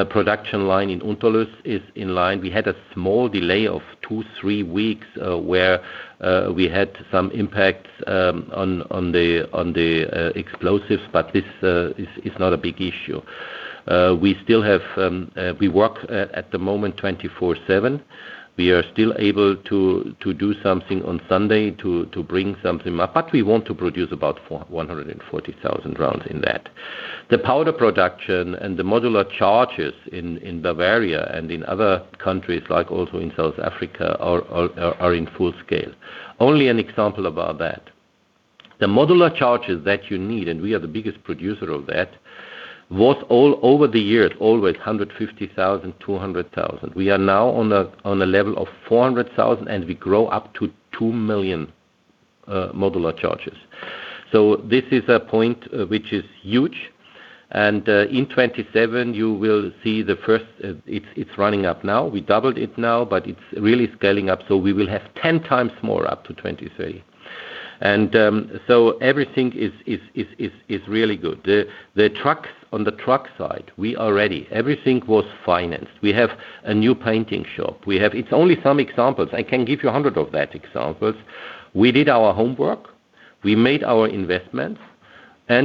Speaker 2: Production line in Unterlüß is in line. We had a small delay of 2, 3 weeks, where we had some impacts on the explosives, but this is not a big issue. We still have, we work at the moment 24/7. We are still able to do something on Sunday to bring something up, but we want to produce about 140,000 rounds in that. The powder production and the modular charges in Bavaria and in other countries like also in South Africa are in full scale. Only an example about that. The modular charges that you need, and we are the biggest producer of that, was all over the years, always 150,000, 200,000. We are now on a level of 400,000, we grow up to 2 million modular charges. This is a point which is huge. In 2027, you will see it's running up now. We doubled it now, it's really scaling up. We will have 10 times more up to 23. Everything is really good. The trucks on the truck side, we are ready. Everything was financed. We have a new painting shop. It's only some examples. I can give you 100 of that examples. We did our homework, we made our investments,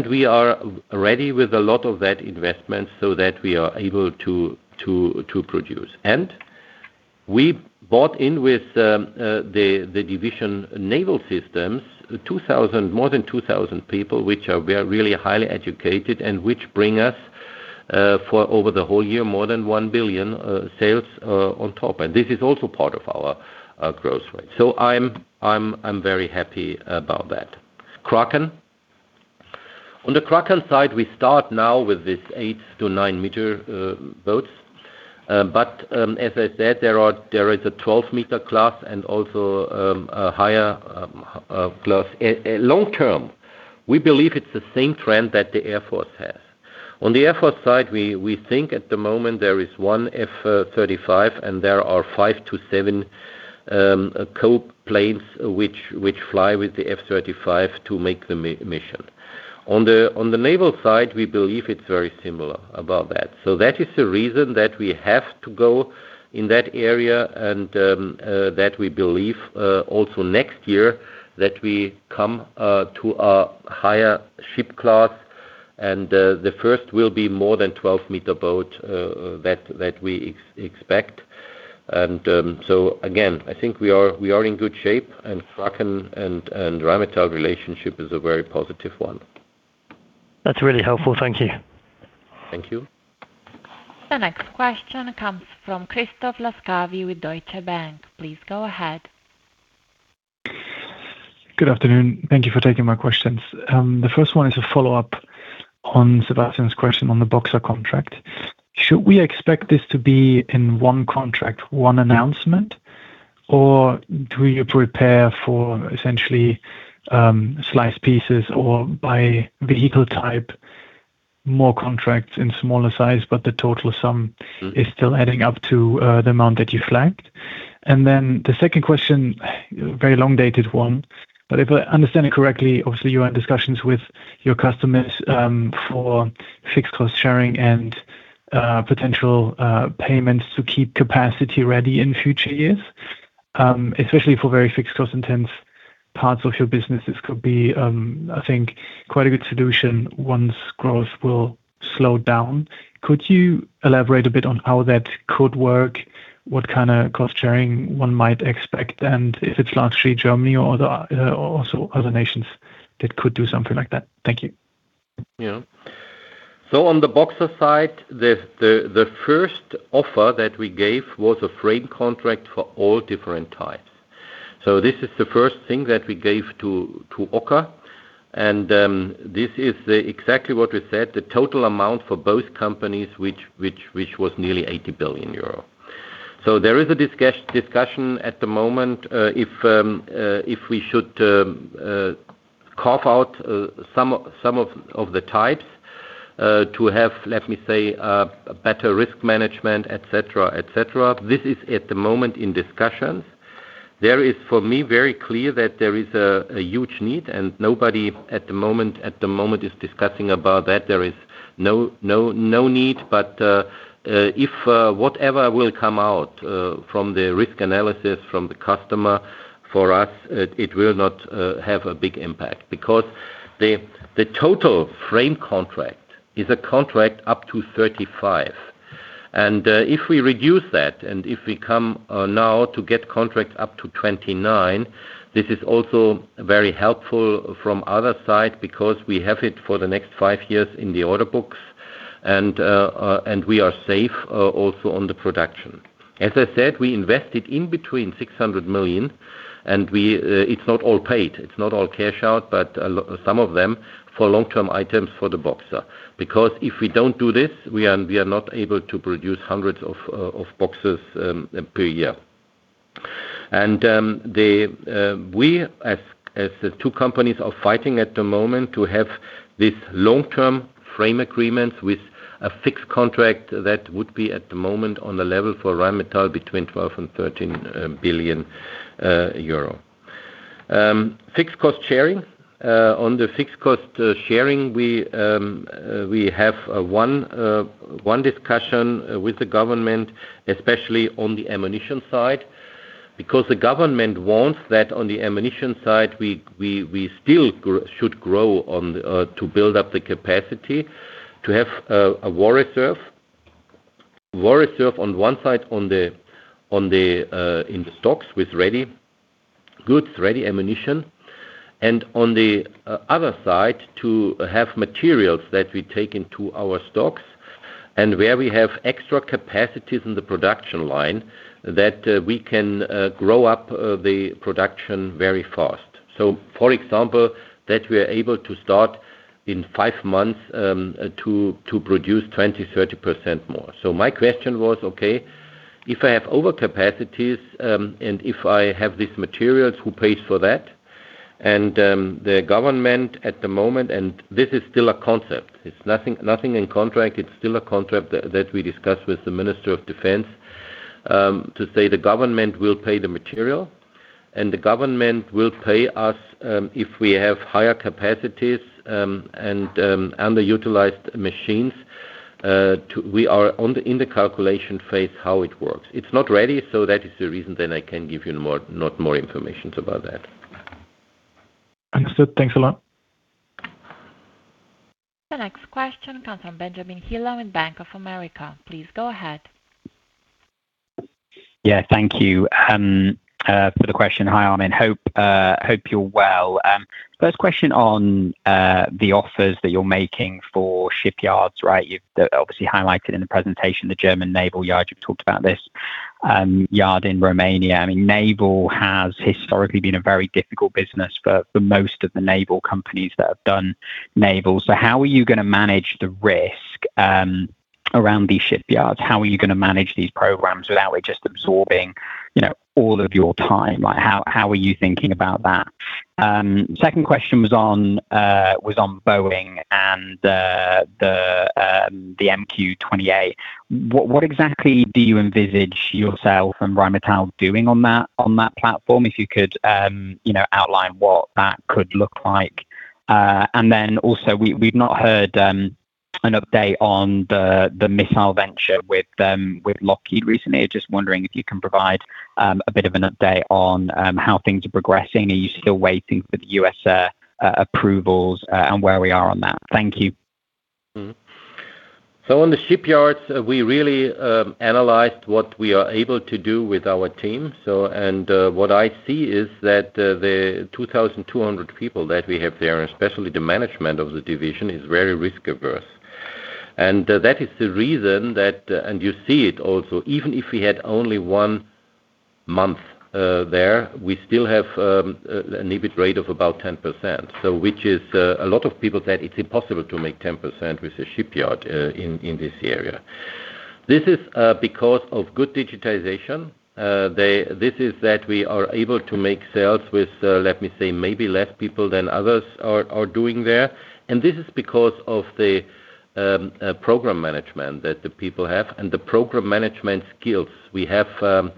Speaker 2: we are ready with a lot of that investment so that we are able to produce. We bought in with the Naval Systems division, more than 2,000 people, we are really highly educated and which bring us for over the whole year, more than 1 billion sales on top. This is also part of our growth rate. I'm very happy about that. Kraken. On the Kraken side, we start now with this 8-9-meter boats. As I said, there is a 12-meter class and also a higher class. Long term, we believe it's the same trend that the Air Force has. On the Air Force side, we think at the moment there is 1 F-35, and there are 5-7 code planes which fly with the F-35 to make the mission. On the naval side, we believe it's very similar about that. That is the reason that we have to go in that area and that we believe also next year that we come to a higher ship class and the first will be more than 12-meter boat that we expect. Again, I think we are in good shape and Kraken and Rheinmetall relationship is a very positive one.
Speaker 6: That's really helpful. Thank you.
Speaker 2: Thank you.
Speaker 1: The next question comes from Christoph Laskawi with Deutsche Bank. Please go ahead.
Speaker 7: Good afternoon. Thank you for taking my questions. The first one is a follow-up on Sebastian's question on the Boxer contract. Should we expect this to be in one contract, one announcement? Or do you prepare for essentially, slice pieces or by vehicle type, more contracts in smaller size, but the total sum is still adding up to the amount that you flagged? The second question, very long-dated 1, but if I understand it correctly, obviously, you are in discussions with your customers for fixed cost sharing and potential payments to keep capacity ready in future years. Especially for very fixed cost intense parts of your business, this could be, I think, quite a good solution once growth will slow down. Could you elaborate a bit on how that could work? What kinda cost sharing 1 might expect, and if it's largely Germany or the also other nations that could do something like that? Thank you.
Speaker 2: On the Boxer side, the first offer that we gave was a frame contract for all different types. This is the first thing that we gave to OCCAR. This is exactly what we said, the total amount for both companies, which was nearly 80 billion euro. There is a discussion at the moment, if we should carve out some of the types, to have, let me say, a better risk management, et cetera, et cetera. This is at the moment in discussions. There is, for me, very clear that there is a huge need, and nobody at the moment is discussing about that. There is no need. If whatever will come out from the risk analysis from the customer, for us, it will not have a big impact. The total frame contract is a contract up to 35. If we reduce that, and if we come now to get contracts up to 29, this is also very helpful from other side because we have it for the next 5 years in the order books and we are safe also on the production. As I said, we invested in between 600 million, and we, it's not all paid. It's not all cash out, but some of them for long-term items for the Boxer. If we don't do this, we are not able to produce hundreds of Boxers per year. The we as the two companies are fighting at the moment to have this long-term frame agreements with a fixed contract that would be at the moment on the level for Rheinmetall between 12 billion-13 billion euro. Fixed cost sharing. On the fixed cost sharing, we have one discussion with the government, especially on the ammunition side. The government wants that on the ammunition side, we still should grow to build up the capacity to have a war reserve. War reserve on one side on the, on the, in the stocks with ready goods, ready ammunition, and on the other side, to have materials that we take into our stocks, and where we have extra capacities in the production line that we can grow up the production very fast. For example, that we are able to start in five months to produce 20%, 30% more. My question was, okay, if I have over capacities, and if I have these materials, who pays for that? The government at the moment, and this is still a concept. It's nothing in contract. It's still a concept that we discussed with the minister of defense, to say the government will pay the material, and the government will pay us, if we have higher capacities, and underutilized machines. We are in the calculation phase how it works. It's not ready. That is the reason then I can give you more, not more information about that.
Speaker 7: Understood. Thanks a lot.
Speaker 1: The next question comes from Benjamin Heelan with Bank of America. Please go ahead.
Speaker 8: Yeah, thank you for the question. Hi, Armin. Hope you're well. First question on the offers that you're making for shipyards, right? You've obviously highlighted in the presentation the German Naval Yards. You've talked about this yard in Romania. I mean, naval has historically been a very difficult business for most of the naval companies that have done naval. How are you gonna manage the risk around these shipyards? How are you gonna manage these programs without it just absorbing, you know, all of your time? Like, how are you thinking about that? Second question was on Boeing and the MQ-28. What exactly do you envisage yourself and Rheinmetall doing on that platform? If you could, you know, outline what that could look like. Then also we've not heard an update on the missile venture with Lockheed recently. Just wondering if you can provide a bit of an update on how things are progressing. Are you still waiting for the USA approvals, and where we are on that? Thank you.
Speaker 2: On the shipyards, we really analyzed what we are able to do with our team. What I see is that the 2,200 people that we have there, especially the management of the division, is very risk-averse. That is the reason that, and you see it also, even if we had only 1 month there, we still have an EBIT rate of about 10%. Which is, a lot of people said it's impossible to make 10% with a shipyard in this area. This is because of good digitization. This is that we are able to make sales with, let me say maybe less people than others are doing there, and this is because of the program management that the people have and the program management skills. We have some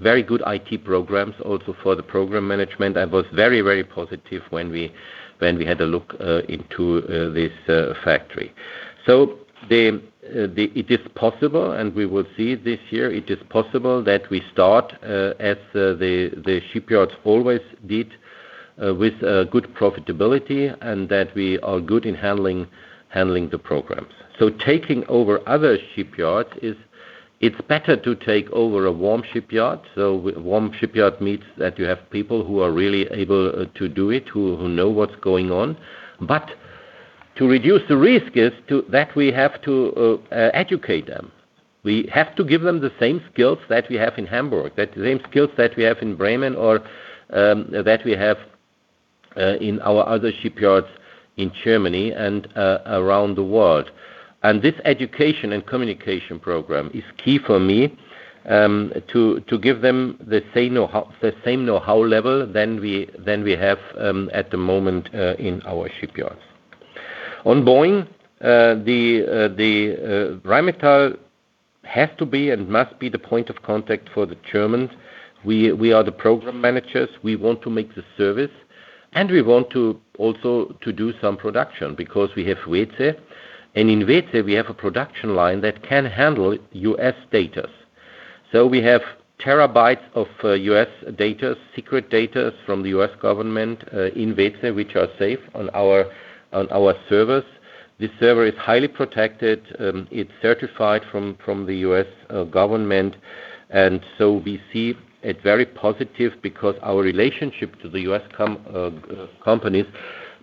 Speaker 2: very good IT programs also for the program management. I was very, very positive when we, when we had a look into this factory. It is possible, and we will see this year, it is possible that we start as the shipyards always did with good profitability and that we are good in handling the programs. Taking over other shipyards is, it's better to take over a warm shipyard. Warm shipyard means that you have people who are really able to do it, who know what's going on. To reduce the risk is that we have to educate them. We have to give them the same skills that we have in Hamburg, that same skills that we have in Bremen or that we have in our other shipyards in Germany and around the world. This education and communication program is key for me to give them the same know-how, the same know-how level than we, than we have at the moment in our shipyards. On Boeing, Rheinmetall has to be and must be the point of contact for the Germans. We are the program managers. We want to make the service, and we want to also to do some production because we have Weeze. In Weeze, we have a production line that can handle U.S. data. We have terabytes of U.S. data, secret data from the U.S. government in Weeze, which are safe on our servers. This server is highly protected. It's certified from the U.S. government. We see it very positive because our relationship to the U.S. companies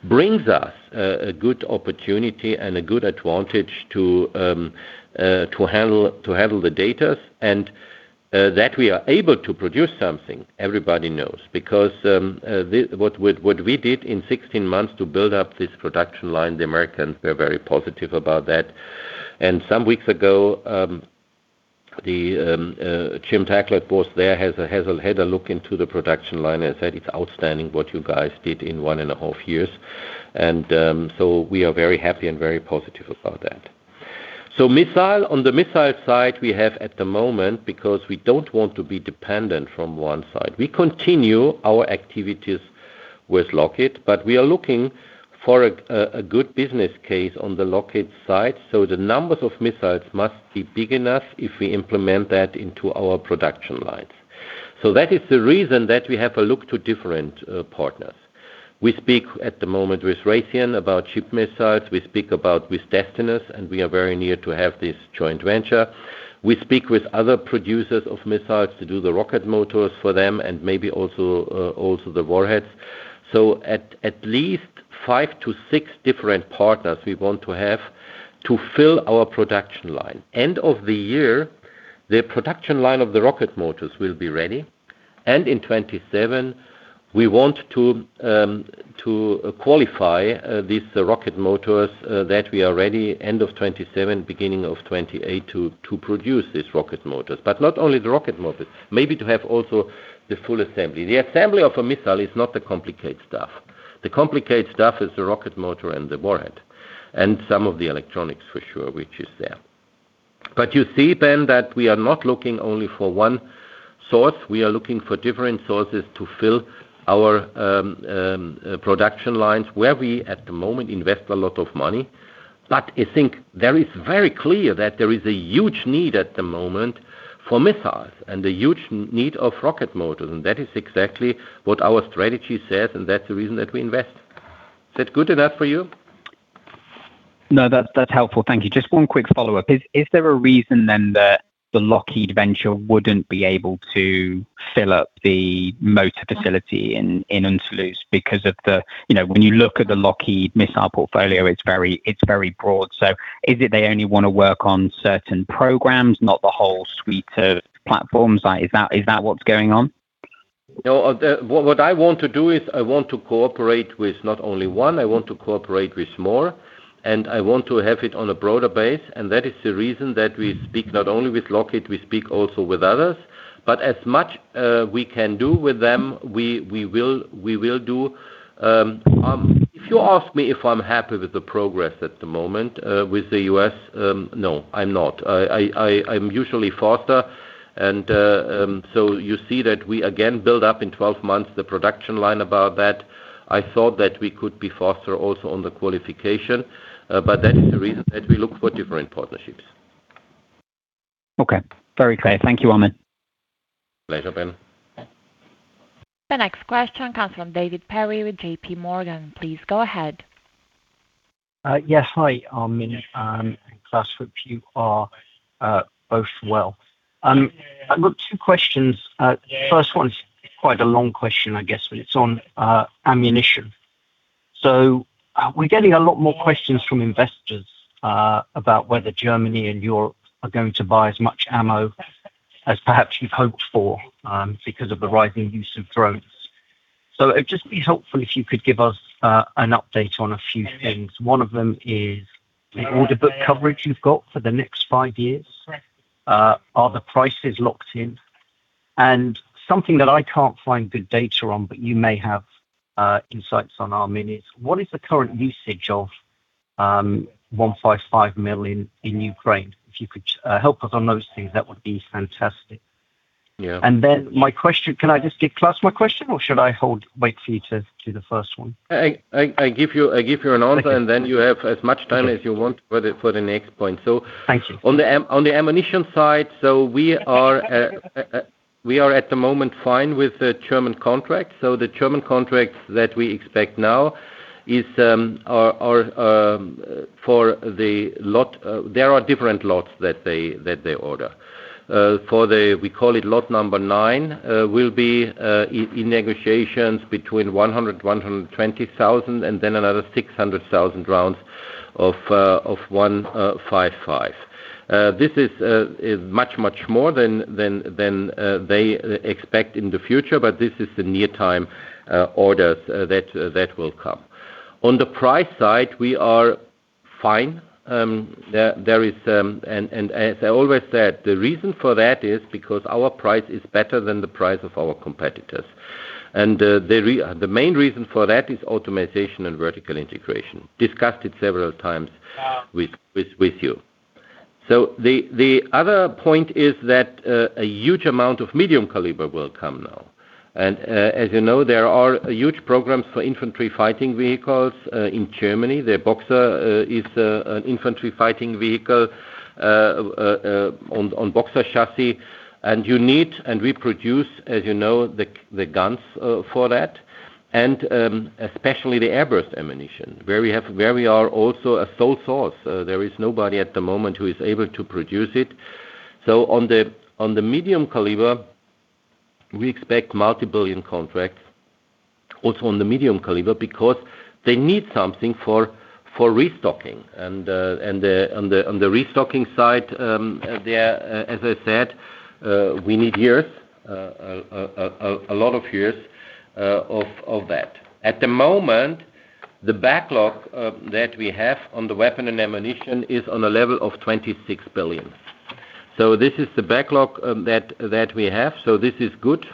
Speaker 2: brings us a good opportunity and a good advantage to handle the data. That we are able to produce something everybody knows because what we did in 16 months to build up this production line, the Americans were very positive about that. Some weeks ago, Jim Taiclet was there, had a look into the production line and said it's outstanding what you guys did in 1 and a half years. We are very happy and very positive about that. Missile, on the missile side, we have at the moment, because we don't want to be dependent from one side, we continue our activities with Lockheed, but we are looking for a good business case on the Lockheed side. The numbers of missiles must be big enough if we implement that into our production lines. That is the reason that we have a look to different partners. We speak at the moment with Raytheon about cheap missiles. We speak with Destinus, and we are very near to have this joint venture. We speak with other producers of missiles to do the rocket motors for them and maybe also the warheads. At least five to six different partners we want to have to fill our production line. End of the year, the production line of the rocket motors will be ready, and in 2027 we want to qualify these, the rocket motors, that we are ready end of 2027, beginning of 2028 to produce these rocket motors. Not only the rocket motors, maybe to have also the full assembly. The assembly of a missile is not the complicated stuff. The complicated stuff is the rocket motor and the warhead, and some of the electronics for sure, which is there. You see then that we are not looking only for one source, we are looking for different sources to fill our production lines where we at the moment invest a lot of money. I think that it's very clear that there is a huge need at the moment for missiles and a huge need of rocket motors, and that is exactly what our strategy says, and that's the reason that we invest. Is that good enough for you?
Speaker 8: No. That's helpful. Thank you. Just one quick follow-up. Is there a reason then that the Lockheed venture wouldn't be able to fill up the motor facility in Unterlüß because of the, you know, when you look at the Lockheed missile portfolio, it's very, it's very broad? Is it they only wanna work on certain programs, not the whole suite of platforms? Like, is that what's going on?
Speaker 2: No. What I want to do is I want to cooperate with not only one, I want to cooperate with more, I want to have it on a broader base. That is the reason that we speak not only with Lockheed, we speak also with others. As much we can do with them, we will do. If you ask me if I'm happy with the progress at the moment with the U.S., no, I'm not. I'm usually faster. You see that we again build up in 12 months the production line about that. I thought that we could be faster also on the qualification. That is the reason that we look for different partnerships.
Speaker 8: Okay. Very clear. Thank you, Armin.
Speaker 2: Pleasure, Ben.
Speaker 1: The next question comes from David Perry with JPMorgan. Please go ahead.
Speaker 9: Yes. Hi, Armin, and Klaus, hope you are both well. I've got 2 questions. First one's quite a long question, I guess, but it's on ammunition. We're getting a lot more questions from investors about whether Germany and Europe are going to buy as much ammo as perhaps you've hoped for because of the rising use of drones. It'd just be helpful if you could give us an update on a few things. One of them is the order book coverage you've got for the next 5 years. Are the prices locked in? And something that I can't find good data on, but you may have insights on, Armin, is what is the current usage of 155 mil in Ukraine? If you could help us on those things, that would be fantastic.
Speaker 2: Yeah.
Speaker 9: Can I just give Klaus my question, or should I hold, wait for you to the first one?
Speaker 2: I give you an answer.
Speaker 9: Okay.
Speaker 2: Then you have as much time as you want for the next point.
Speaker 9: Thank you.
Speaker 2: On the ammunition side, we are at the moment fine with the German contract. The German contract that we expect now is for the lot, there are different lots that they order. For the, we call it lot number 9, will be in negotiations between 100,000, 120,000 and then another 600,000 rounds of 155. This is much more than they expect in the future, but this is the near time orders that will come. On the price side, we are fine. There is, and as I always said, the reason for that is because our price is better than the price of our competitors. The main reason for that is automatization and vertical integration. Discussed it several times. With you. The other point is that a huge amount of medium caliber will come now. As you know, there are huge programs for infantry fighting vehicles in Germany. The Boxer is an infantry fighting vehicle on Boxer chassis. You need and we produce, as you know, the guns for that and especially the airburst ammunition where we are also a sole source. There is nobody at the moment who is able to produce it. On the, on the medium caliber, we expect multi-billion contracts also on the medium caliber because they need something for restocking and on the restocking side, there, as I said, we need years, a lot of years, of that. At the moment, the backlog that we have on the Weapon and Ammunition is on a level of 26 billion. This is the backlog that we have, this is good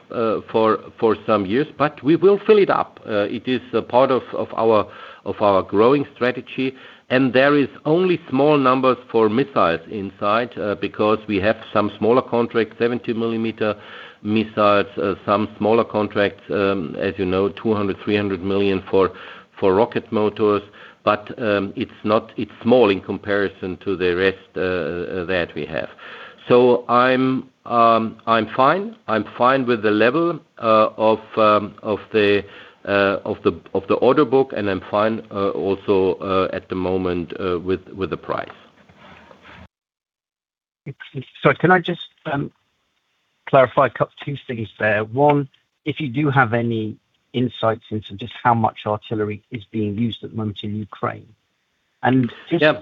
Speaker 2: for some years, but we will fill it up. It is a part of our growing strategy. There is only small numbers for missiles inside, because we have some smaller contracts, 70 millimeter missiles, some smaller contracts, as you know, 200 million-300 million for rocket motors. It's small in comparison to the rest, that we have. I'm fine. I'm fine with the level of the order book, and I'm fine, also, at the moment, with the price.
Speaker 9: Can I just clarify two things there? One, if you do have any insights into just how much artillery is being used at the moment in Ukraine.
Speaker 2: Yeah.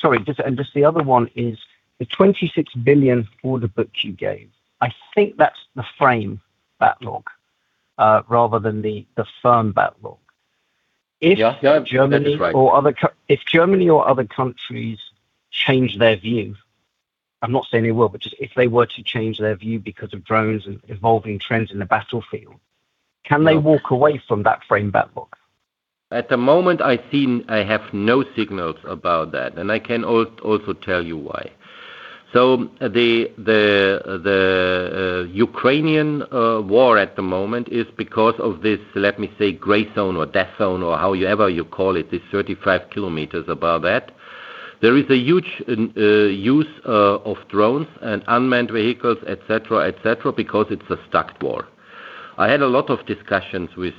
Speaker 9: Sorry, just the other one is the 26 billion for the book you gave. I think that's the frame backlog, rather than the firm backlog.
Speaker 2: Yeah. No, that is right.
Speaker 9: If Germany or other countries change their view, I'm not saying they will, but just if they were to change their view because of drones and evolving trends in the battlefield, can they walk away from that Rheinmetall backlog?
Speaker 2: At the moment, I think I have no signals about that, and I can also tell you why. The Ukrainian war at the moment is because of this, let me say, gray zone or death zone or however you call it, this 35 kilometers above that. There is a huge use of drones and unmanned vehicles, et cetera, et cetera, because it's a stacked war. I had a lot of discussions with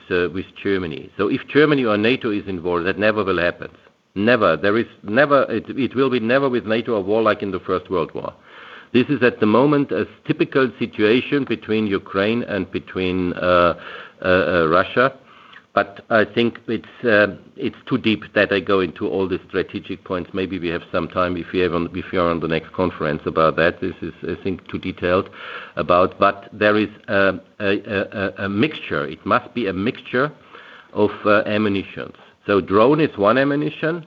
Speaker 2: Germany. If Germany or NATO is involved, that never will happen. Never. There will be never with NATO a war like in the World War I. This is at the moment a typical situation between Ukraine and between Russia. I think it's too deep that I go into all the strategic points. Maybe we have some time if we are on the next conference about that. This is, I think, too detailed about. There is a mixture. It must be a mixture of ammunitions. Drone is one ammunition.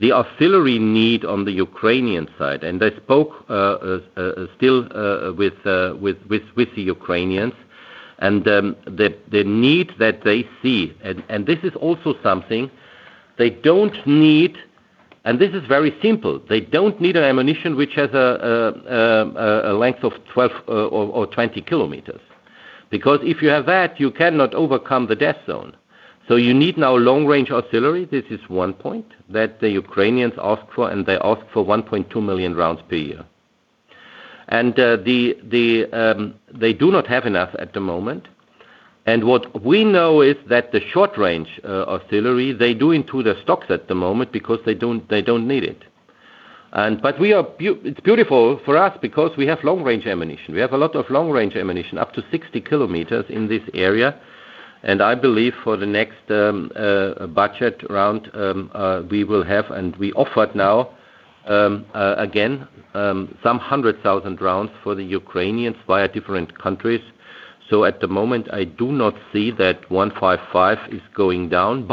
Speaker 2: The artillery need on the Ukrainian side, and I spoke still with the Ukrainians and the need that they see. This is also something they don't need, and this is very simple. They don't need an ammunition which has a length of 12 or 20 kilometers. If you have that, you cannot overcome the death zone. You need now long-range artillery. This is one point that the Ukrainians ask for, and they ask for 1.2 million rounds per year. The, the, they do not have enough at the moment. What we know is that the short-range, artillery, they do into the stocks at the moment because they don't, they don't need it. It's beautiful for us because we have long-range ammunition. We have a lot of long-range ammunition, up to 60 kilometers in this area. I believe for the next budget round, we will have, and we offered now again some 100,000 rounds for the Ukrainians via different countries. At the moment, I do not see that 155 is going down.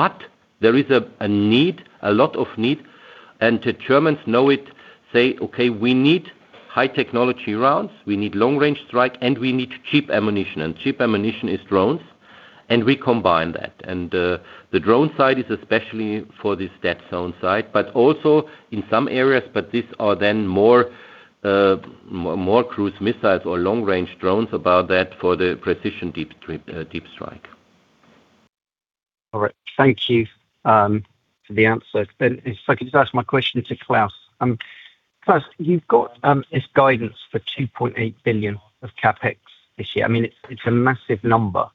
Speaker 2: There is a need, a lot of need, and the Germans know it, say, "Okay, we need high technology rounds, we need long-range strike, and we need cheap ammunition." Cheap ammunition is drones, and we combine that. The drone side is especially for this death zone side, but also in some areas, but these are then more cruise missiles or long-range drones about that for the precision deep strike.
Speaker 9: All right. Thank you for the answer. If I could just ask my question to Klaus. Klaus, you've got this guidance for 2.8 billion of CapEx this year. I mean, it's a massive number.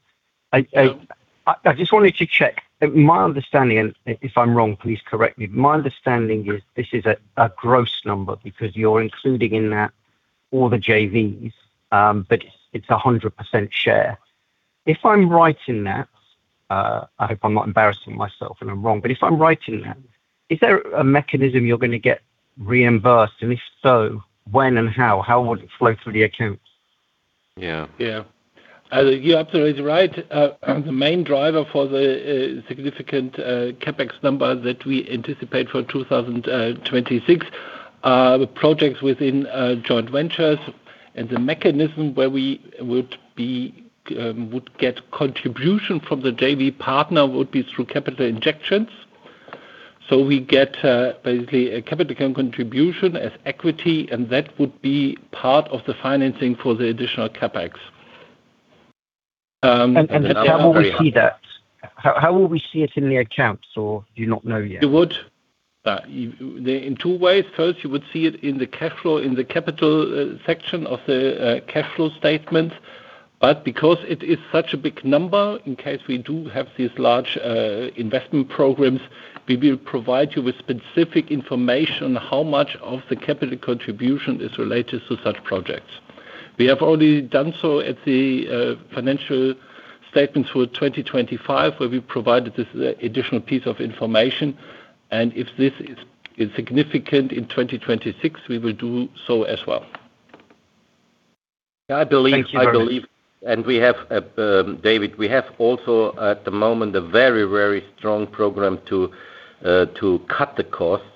Speaker 3: Yeah.
Speaker 9: I just wanted to check. My understanding, and if I'm wrong, please correct me, my understanding is this is a gross number because you're including in that all the JVs, but it's a 100% share. If I'm right in that, I hope I'm not embarrassing myself and I'm wrong, but if I'm right in that, is there a mechanism you're gonna get reimbursed? If so, when and how? How would it flow through the accounts?
Speaker 2: Yeah.
Speaker 3: Yeah. You're absolutely right. The main driver for the significant CapEx number that we anticipate for 2026 are the projects within joint ventures and the mechanism where we would get contribution from the JV partner would be through capital injections. We get basically a capital contribution as equity, and that would be part of the financing for the additional CapEx.
Speaker 9: How will we see that? How will we see it in the accounts, or do you not know yet?
Speaker 3: You would in two ways. First, you would see it in the cash flow, in the capital section of the cash flow statement. Because it is such a big number, in case we do have these large investment programs, we will provide you with specific information how much of the capital contribution is related to such projects. We have already done so at the financial statements for 2025, where we provided this additional piece of information. If this is significant in 2026, we will do so as well.
Speaker 9: Thank you very much.
Speaker 2: I believe, David, we have also at the moment a very strong program to cut the costs.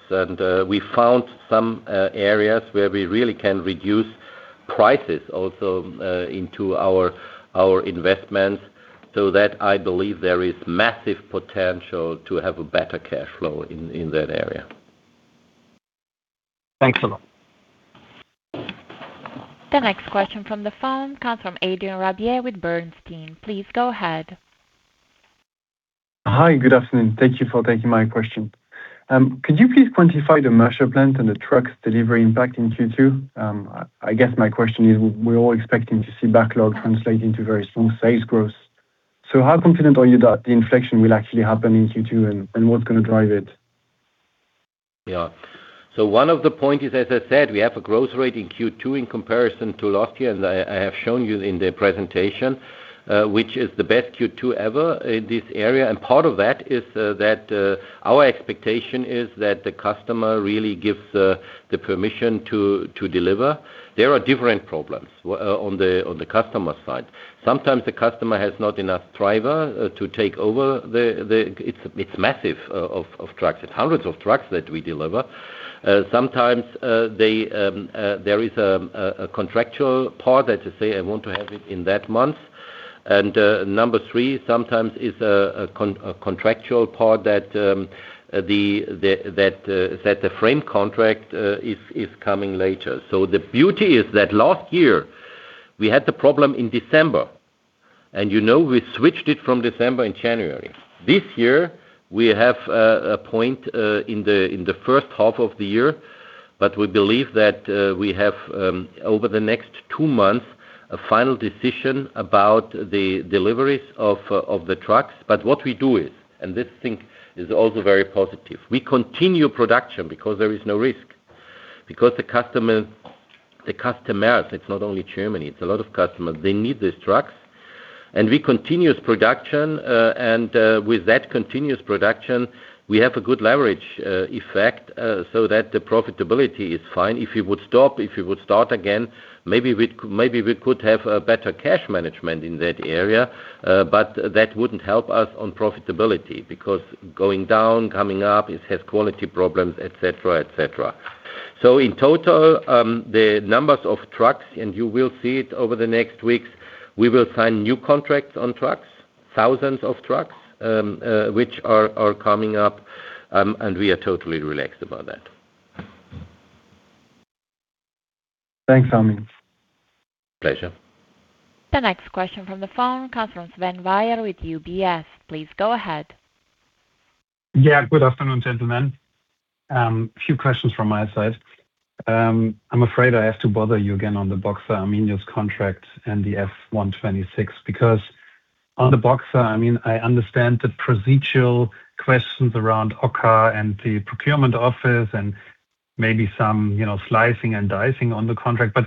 Speaker 2: We found some areas where we really can reduce prices also into our investments. I believe there is massive potential to have a better cash flow in that area.
Speaker 9: Thanks a lot.
Speaker 1: The next question from the phone comes from Adrien Rabier with Bernstein. Please go ahead.
Speaker 10: Hi, good afternoon. Thank you for taking my question. Could you please quantify the Marshall Plant and the trucks delivery impact in Q2? I guess my question is, we're all expecting to see backlog translate into very strong sales growth. How confident are you that the inflection will actually happen in Q2, and what's gonna drive it?
Speaker 2: Yeah. One of the point is, as I said, we have a growth rate in Q2 in comparison to last year, as I have shown you in the presentation, which is the best Q2 ever in this area. Part of that is that our expectation is that the customer really gives the permission to deliver. There are different problems on the customer side. Sometimes the customer has not enough driver to take over. It's massive of trucks. It's hundreds of trucks that we deliver. Sometimes, they, there is a contractual part that just say, "I want to have it in that month." Number 3, sometimes it's a contractual part that the, that the frame contract is coming later. The beauty is that last year we had the problem in December, and you know, we switched it from December in January. This year we have a point in the first half of the year, but we believe that we have over the next 2 months a final decision about the deliveries of the trucks. What we do is, and this thing is also very positive, we continue production because there is no risk. Because the customer, the customers, it's not only Germany, it's a lot of customers, they need these trucks. We continuous production. With that continuous production, we have a good leverage effect, so that the profitability is fine. If you would stop, if you would start again, maybe we could have a better cash management in that area. That wouldn't help us on profitability because going down, coming up, it has quality problems, et cetera, et cetera. In total, the numbers of trucks, and you will see it over the next weeks, we will sign new contracts on trucks, thousands of trucks, which are coming up, and we are totally relaxed about that.
Speaker 10: Thanks, Armin.
Speaker 2: Pleasure.
Speaker 1: The next question from the phone comes from Sven Weier with UBS. Please go ahead.
Speaker 11: Good afternoon, gentlemen. A few questions from my side. I'm afraid I have to bother you again on the Boxer Arminius contract and the F126, because on the Boxer, I mean, I understand the procedural questions around OCCAR and the procurement office and maybe some, you know, slicing and dicing on the contract.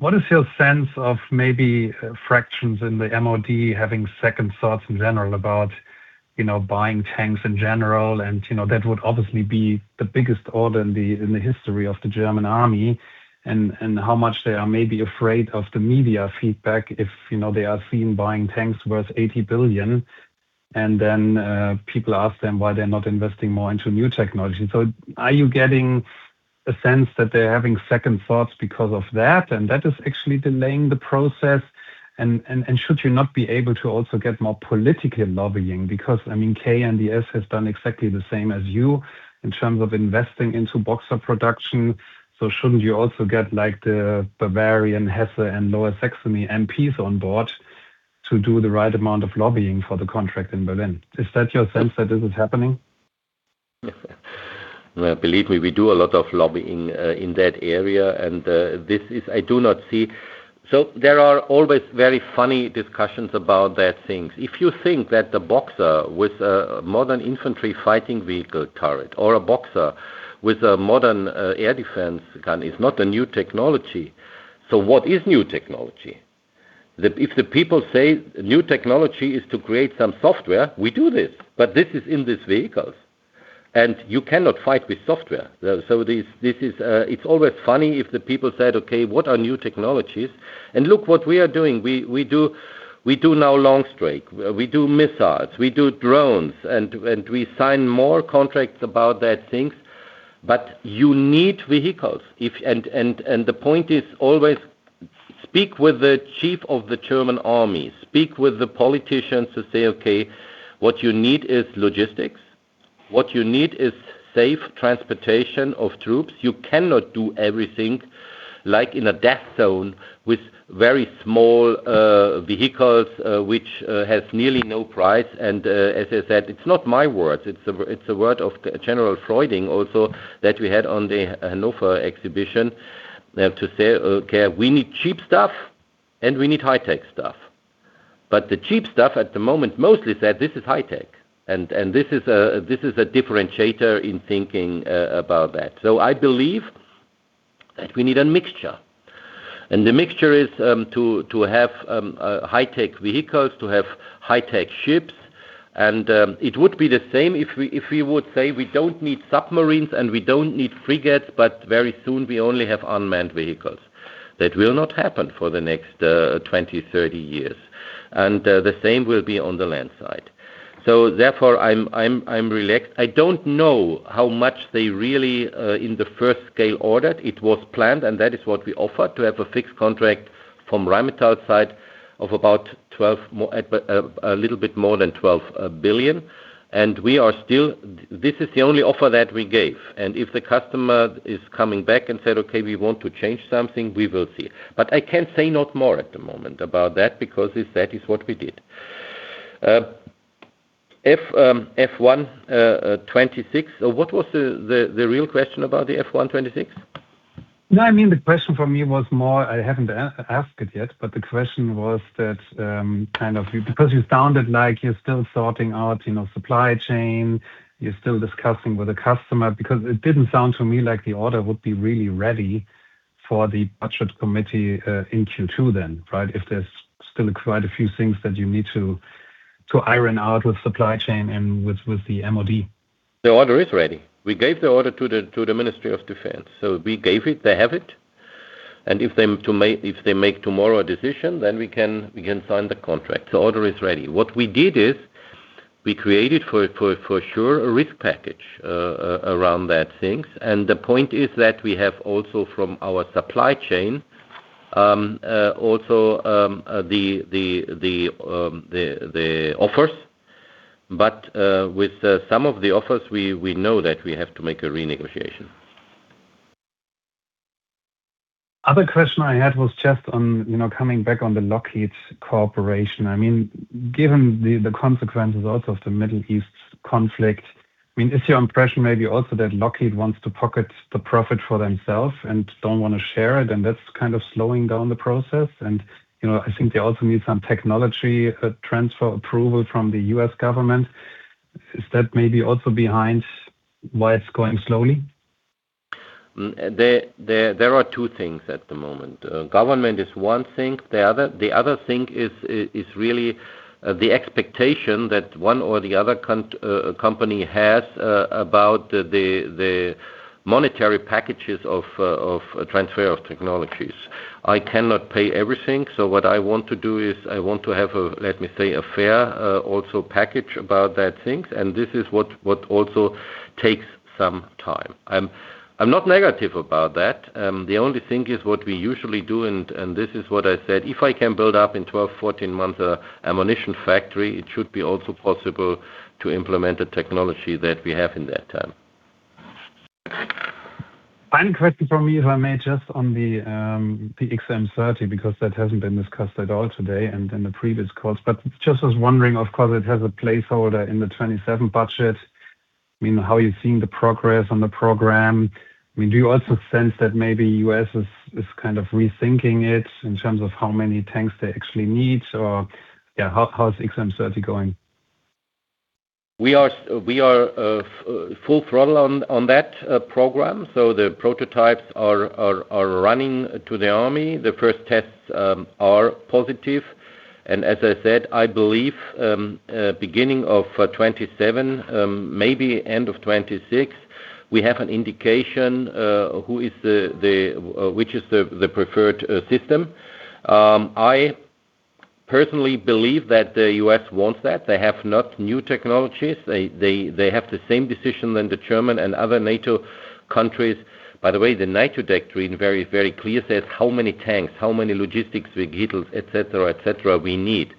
Speaker 11: What is your sense of maybe fractions in the MOD having second thoughts in general about, you know, buying tanks in general? You know, that would obviously be the biggest order in the history of the German Army and how much they are maybe afraid of the media feedback if, you know, they are seen buying tanks worth 80 billion. Then people ask them why they are not investing more into new technology. Are you getting a sense that they're having second thoughts because of that, and that is actually delaying the process? Should you not be able to also get more political lobbying? Because, I mean, KNDS has done exactly the same as you in terms of investing into Boxer production. Shouldn't you also get like the Bavarian Hesse and Lower Saxony MPs on board to do the right amount of lobbying for the contract in Berlin? Is that your sense that this is happening?
Speaker 2: Believe me, we do a lot of lobbying in that area. This is. I do not see. There are always very funny discussions about that things. If you think that the Boxer with a modern infantry fighting vehicle turret or a Boxer with a modern air defense gun is not a new technology. What is new technology? If the people say new technology is to create some software, we do this. This is in these vehicles, and you cannot fight with software. This is always funny if the people said, "Okay, what are new technologies?" Look what we are doing. We do now LongStrike, we do missiles, we do drones, and we sign more contracts about that things. You need vehicles. The point is always speak with the chief of the German Army, speak with the politicians to say, "Okay, what you need is logistics. What you need is safe transportation of troops." You cannot do everything like in a death zone with very small vehicles which has nearly no price. As I said, it's not my words, it's the word of Christian Freuding also that we had on the Hanover exhibition to say, "Okay, we need cheap stuff and we need high-tech stuff." The cheap stuff at the moment mostly said this is high-tech. This is a differentiator in thinking about that. I believe that we need a mixture. The mixture is to have high-tech vehicles, to have high-tech ships. It would be the same if we, if we would say we don't need submarines and we don't need frigates, but very soon we only have unmanned vehicles. That will not happen for the next 20, 30 years. The same will be on the land side. Therefore, I'm relaxed. I don't know how much they really in the first scale ordered. It was planned, and that is what we offered, to have a fixed contract from Rheinmetall side of about 12 more, but a little bit more than 12 billion. This is the only offer that we gave. If the customer is coming back and said, "Okay, we want to change something," we will see. I can say not more at the moment about that because this, that is what we did. What was the real question about the F126?
Speaker 11: No, I mean, the question for me was more, I haven't asked it yet, but the question was that, kind of because you sounded like you're still sorting out, you know, supply chain, you're still discussing with the customer. Because it didn't sound to me like the order would be really ready for the budget committee, in Q2 then, right? If there's still quite a few things that you need to iron out with supply chain and with the MoD.
Speaker 2: The order is ready. We gave the order to the Ministry of Defense. We gave it, they have it. If they make tomorrow a decision, then we can sign the contract. The order is ready. What we did is we created for sure a risk package around that things. The point is that we have also from our supply chain the offers. With some of the offers, we know that we have to make a renegotiation.
Speaker 11: Other question I had was just on, you know, coming back on the Lockheed Corporation. I mean, given the consequences also of the Middle East conflict, I mean, is your impression maybe also that Lockheed wants to pocket the profit for themselves and don't wanna share it, and that's kind of slowing down the process? You know, I think they also need some technology transfer approval from the U.S. government. Is that maybe also behind why it's going slowly?
Speaker 2: There are two things at the moment. Government is one thing. The other thing is really the expectation that one or the other company has about the monetary packages of transfer of technologies. I cannot pay everything, so what I want to do is I want to have a, let me say, a fair, also package about that things, and this is what also takes some time. I'm not negative about that. The only thing is what we usually do and this is what I said, if I can build up in 12, 14 months a ammunition factory, it should be also possible to implement the technology that we have in that time.
Speaker 11: One question for me, if I may, just on the XM30, because that hasn't been discussed at all today and in the previous calls. Just was wondering, of course, it has a placeholder in the 27 budget. I mean, how are you seeing the progress on the program? I mean, do you also sense that maybe U.S. is kind of rethinking it in terms of how many tanks they actually need? Yeah, how's XM30 going?
Speaker 2: We are full throttle on that program. The prototypes are running to the army. The first tests are positive. As I said, I believe beginning of 2027, maybe end of 2026, we have an indication who is the preferred system. I personally believe that the U.S. wants that. They have not new technologies. They have the same decision than the German and other NATO countries. By the way, the NATO doctrine very clear says how many tanks, how many logistics vehicles, et cetera, we need.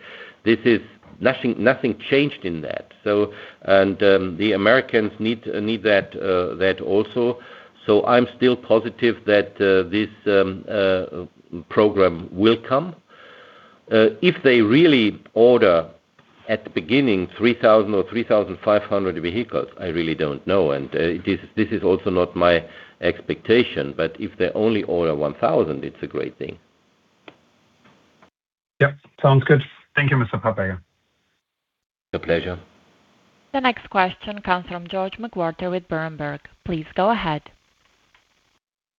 Speaker 2: This is nothing changed in that. The Americans need that also. I'm still positive that this program will come. If they really order at the beginning 3,000 or 3,500 vehicles, I really don't know. This is also not my expectation, but if they only order 1,000, it's a great thing.
Speaker 11: Yep. Sounds good. Thank you, Mr. Papperger.
Speaker 2: My pleasure.
Speaker 1: The next question comes from George McWhirter with Berenberg. Please go ahead.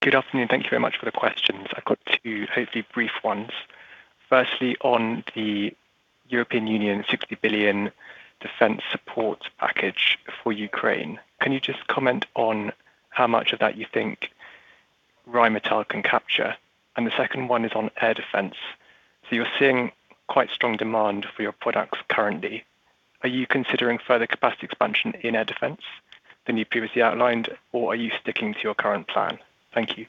Speaker 12: Good afternoon. Thank you very much for the questions. I've got two hopefully brief ones. Firstly, on the European Union 60 billion defense support package for Ukraine, can you just comment on how much of that you think Rheinmetall can capture? The second one is on air defense. You're seeing quite strong demand for your products currently. Are you considering further capacity expansion in air defense than you previously outlined, or are you sticking to your current plan? Thank you.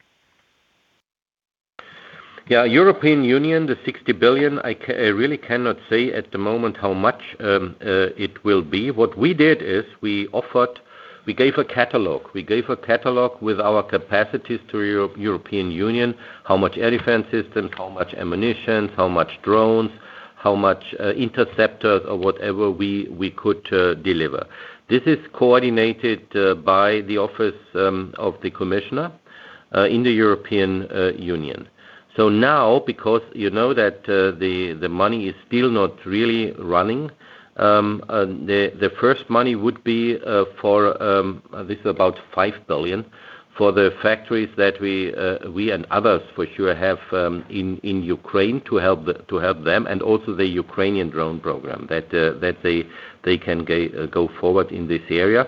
Speaker 2: European Union, the 60 billion, I really cannot say at the moment how much it will be. What we did is we offered, we gave a catalog. We gave a catalog with our capacities to European Union, how much air defense systems, how much ammunitions, how much drones, how much interceptors or whatever we could deliver. This is coordinated by the office of the commissioner in the European Union. Now because you know that the money is still not really running, the first money would be for this is about 5 billion for the factories that we and others for sure have in Ukraine to help them and also the Ukrainian drone program that they can go forward in this area.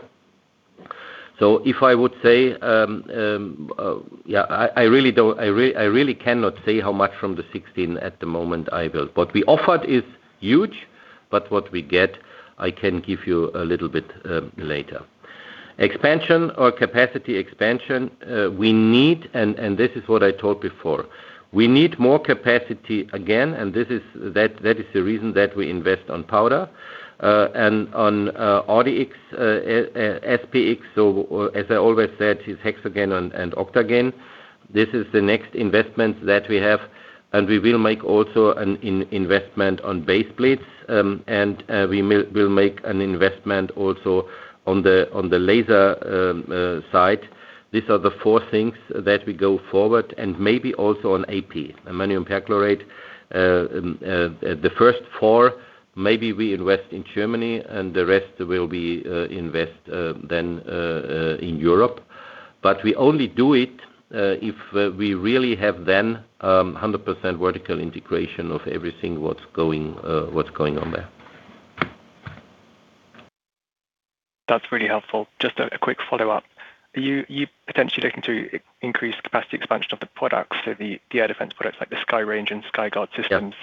Speaker 2: If I would say, I really cannot say how much from the 16 at the moment I build. What we offered is huge, but what we get, I can give you a little bit later. Expansion or capacity expansion, we need and this is what I told before, we need more capacity again, and this is, that is the reason that we invest on powder and on RDX, SPX. As I always said, it's Hexagon and Octagon. This is the next investment that we have. We will make also an in-investment on base plates, and we will make an investment also on the laser side. These are the four things that we go forward and maybe also on AP, ammonium perchlorate. The first four, maybe we invest in Germany, and the rest will be invest then in Europe. We only do it, if we really have then, 100% vertical integration of everything that's going, what's going on there.
Speaker 12: That's really helpful. Just a quick follow-up. Are you potentially looking to increase capacity expansion of the products, so the air defense products, like the Skyranger and Skyguard systems?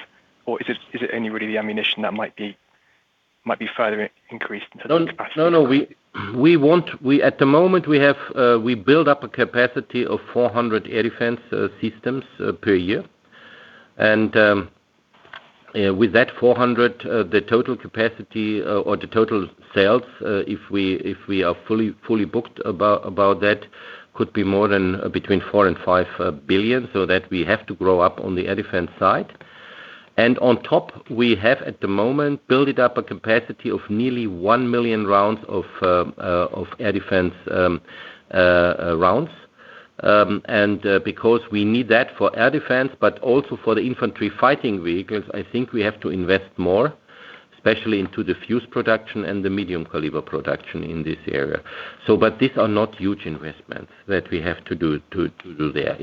Speaker 2: Yeah.
Speaker 12: Is it only really the ammunition that might be further increased into the capacity?
Speaker 2: No, no. At the moment, we have, we build up a capacity of 400 air defense systems per year. With that 400, the total capacity or the total sales, if we are fully booked about that, could be more than between 4 billion and 5 billion. We have to grow up on the air defense side. On top, we have at the moment built up a capacity of nearly 1 million rounds of air defense rounds. Because we need that for air defense, but also for the infantry fighting vehicles, I think we have to invest more, especially into the fuse production and the medium caliber production in this area. These are not huge investments that we have to do there.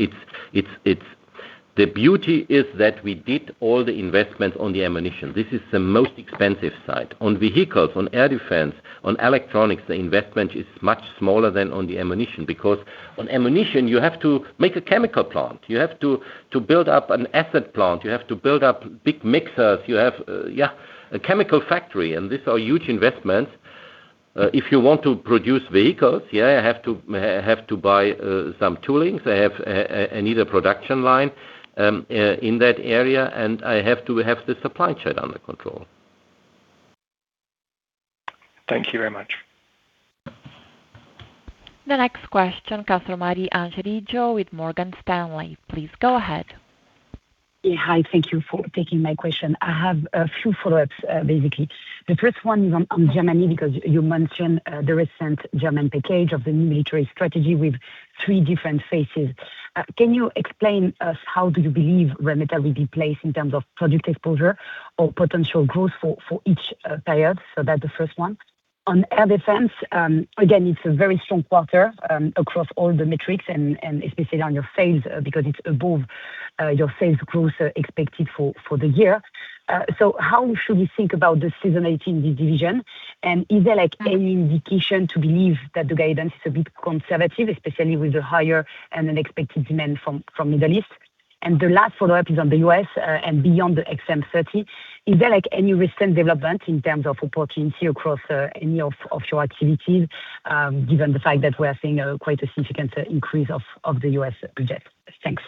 Speaker 2: The beauty is that we did all the investments on the ammunition. This is the most expensive side. On vehicles, on air defense, on electronics, the investment is much smaller than on the ammunition. On ammunition, you have to make a chemical plant. You have to build up an asset plant. You have to build up big mixers. You have, yeah, a chemical factory, and these are huge investments. If you want to produce vehicles, yeah, I have to buy some toolings. I have, I need a production line in that area, and I have to have the supply chain under control.
Speaker 12: Thank you very much.
Speaker 1: The next question comes from Marie-Ange Riggio with Morgan Stanley. Please go ahead.
Speaker 13: Yeah, hi. Thank you for taking my question. I have a few follow-ups, basically. The first one is on Germany because you mentioned the recent German package of the new military strategy with 3 different phases. Can you explain us how do you believe Rheinmetall will be placed in terms of project exposure or potential growth for each period? That the first one. On air defense, again, it's a very strong quarter across all the metrics and especially on your sales, because it's above your sales growth expected for the year. How should we think about the Naval Systems division? Is there like any indication to believe that the guidance is a bit conservative, especially with the higher and unexpected demand from Middle East? The last follow-up is on the U.S. and beyond the XM30. Is there like any recent development in terms of opportunities across any of offshore activities, given the fact that we're seeing a quite a significant increase of the U.S. budget? Thanks.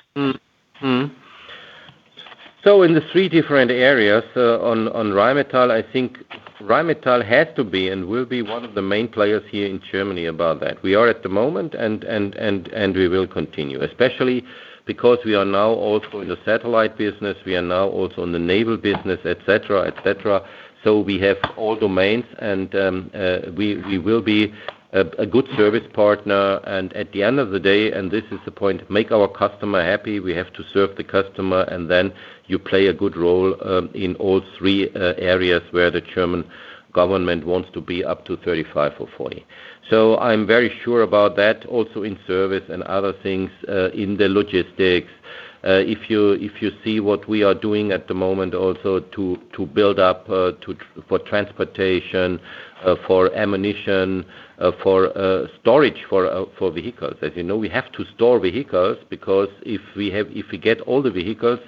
Speaker 2: In the three different areas on Rheinmetall, I think Rheinmetall has to be and will be one of the main players here in Germany about that. We are at the moment and we will continue, especially because we are now also in the satellite business, we are now also in the naval business, et cetera, et cetera. We have all domains and we will be a good service partner. At the end of the day, and this is the point, make our customer happy. We have to serve the customer, you play a good role in all three areas where the German government wants to be up to 35 or 40. I'm very sure about that also in service and other things in the logistics. If you see what we are doing at the moment also to build up for transportation, for ammunition, for storage for vehicles. As you know, we have to store vehicles because if we get all the vehicles,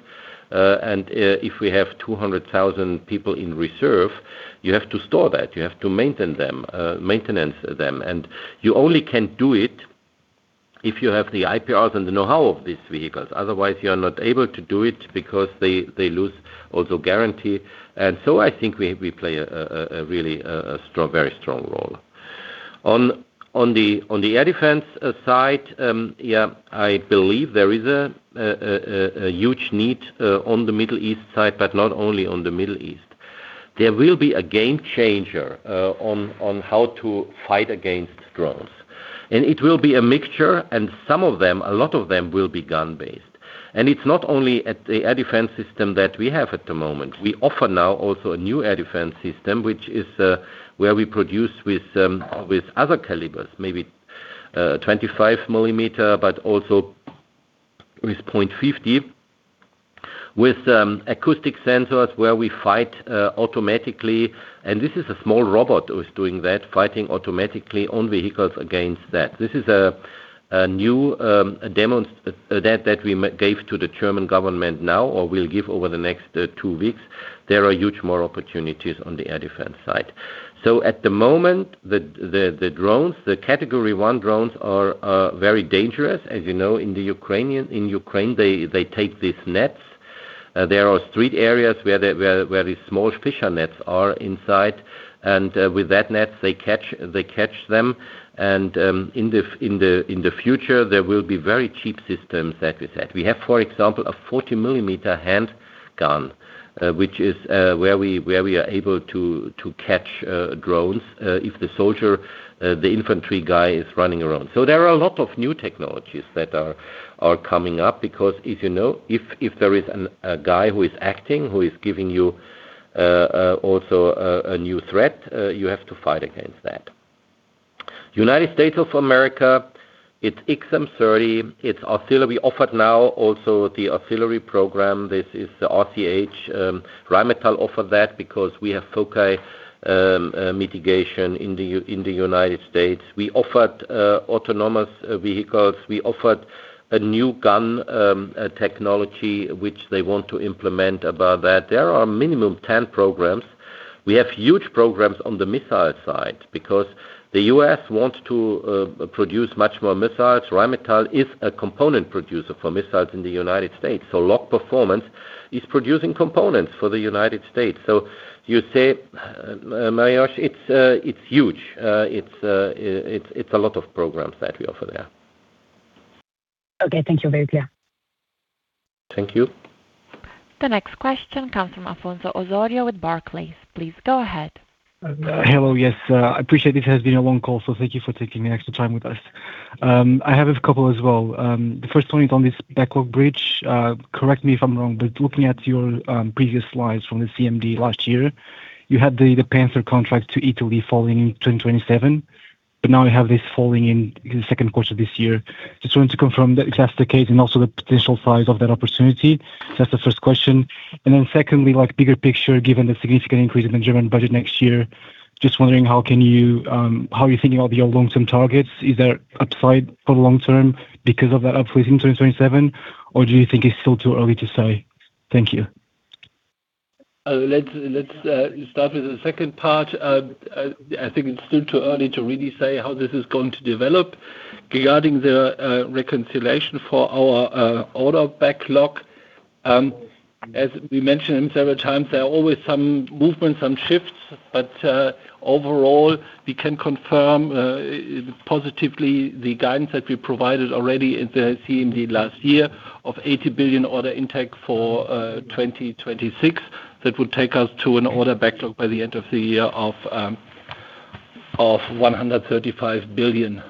Speaker 2: and if we have 200,000 people in reserve, you have to store that. You have to maintain them, maintenance them. You only can do it if you have the IPRs and the know-how of these vehicles. Otherwise, you are not able to do it because they lose also guarantee. I think we play a really strong, very strong role. On the air defense side, I believe there is a huge need on the Middle East side, but not only on the Middle East. There will be a game changer on how to fight against drones. It will be a mixture, and some of them, a lot of them will be gun-based. It's not only at the air defense system that we have at the moment. We offer now also a new air defense system, which is where we produce with other calibers, maybe 25 millimeter, but also with .50, with acoustic sensors where we fight automatically. This is a small robot who is doing that, fighting automatically on vehicles against that. This is a new demo that we gave to the German government now or will give over the next 2 weeks. There are huge more opportunities on the air defense side. At the moment, the drones, the Category 1 drones are very dangerous. As you know, in Ukraine, they take these nets. There are street areas where these small fisher nets are inside, and with that net, they catch them. In the future, there will be very cheap systems that we set. We have, for example, a 40-millimeter handgun, which is where we are able to catch drones, if the soldier, the infantry guy is running around. There are a lot of new technologies that are coming up because if there is a guy who is acting, who is giving you also a new threat, you have to fight against that. United States of America, it's XM30. It's auxiliary. We offered now also the auxiliary program. This is the RCH. Rheinmetall offered that because we have FOCI mitigation in the United States. We offered autonomous vehicles. We offered a new gun technology which they want to implement about that. There are minimum 10 programs. We have huge programs on the missile side because the U.S. wants to produce much more missiles. Rheinmetall is a component producer for missiles in the United States, Loc Performance is producing components for the United States. You say, Mariusz, it's huge. It's a lot of programs that we offer there.
Speaker 13: Okay. Thank you. Very clear.
Speaker 2: Thank you.
Speaker 1: The next question comes from Afonso Osório with Barclays. Please go ahead.
Speaker 14: Hello. Yes, I appreciate this has been a long call, so thank you for taking the extra time with us. I have a couple as well. The first one is on this backlog bridge. Correct me if I'm wrong, but looking at your previous slides from the CMD last year, you had the Panther contract to Italy falling in 2027, but now we have this falling in the 2Q of this year. Just wanted to confirm that if that's the case and also the potential size of that opportunity. That's the first question. Secondly, like bigger picture, given the significant increase in the German budget next year, just wondering how can you, how you're thinking about your long-term targets. Is there upside for long term because of that uplift in 2027, or do you think it's still too early to say? Thank you.
Speaker 3: Let's start with the second part. I think it's still too early to really say how this is going to develop. Regarding the reconciliation for our order backlog, as we mentioned several times, there are always some movements, some shifts, but overall, we can confirm positively the guidance that we provided already in the CMD last year of 80 billion order intake for 2026. That would take us to an order backlog by the end of the year of EUR 135 billion.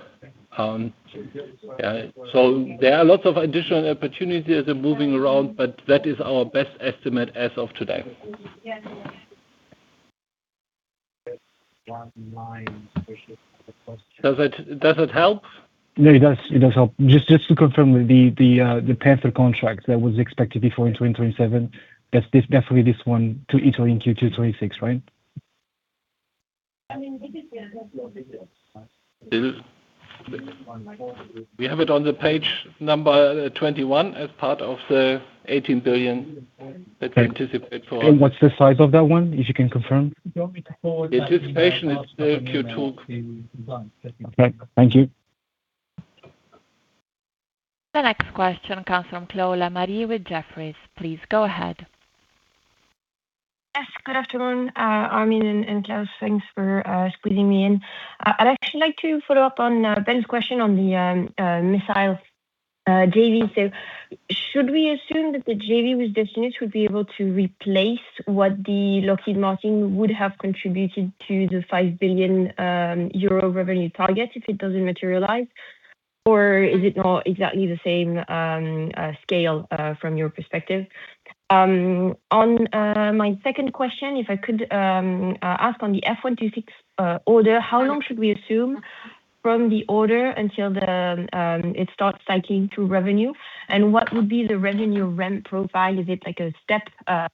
Speaker 3: There are lots of additional opportunities that are moving around, but that is our best estimate as of today. Does it help?
Speaker 14: No, it does. It does help. Just to confirm the Panther contract that was expected before in 2027, that's this, definitely this one to Italy in Q2 2026, right?
Speaker 3: It is. We have it on the page 21 as part of the 18 billion that we anticipate for.
Speaker 14: What's the size of that one, if you can confirm?
Speaker 2: It is patient. It's Q2.
Speaker 14: Okay. Thank you.
Speaker 1: The next question comes from Chloé Lemarié with Jefferies. Please go ahead.
Speaker 15: Yes, good afternoon, Armin and Klaus. Thanks for squeezing me in. I'd actually like to follow up on Ben's question on the missile JV. Should we assume that the JV with Destinus would be able to replace what the Lockheed Martin would have contributed to the 5 billion euro revenue target if it doesn't materialize? Is it not exactly the same scale from your perspective? On my second question, if I could ask on the F126 order, how long should we assume from the order until it starts cycling through revenue? What would be the revenue ramp profile? Is it like a step, a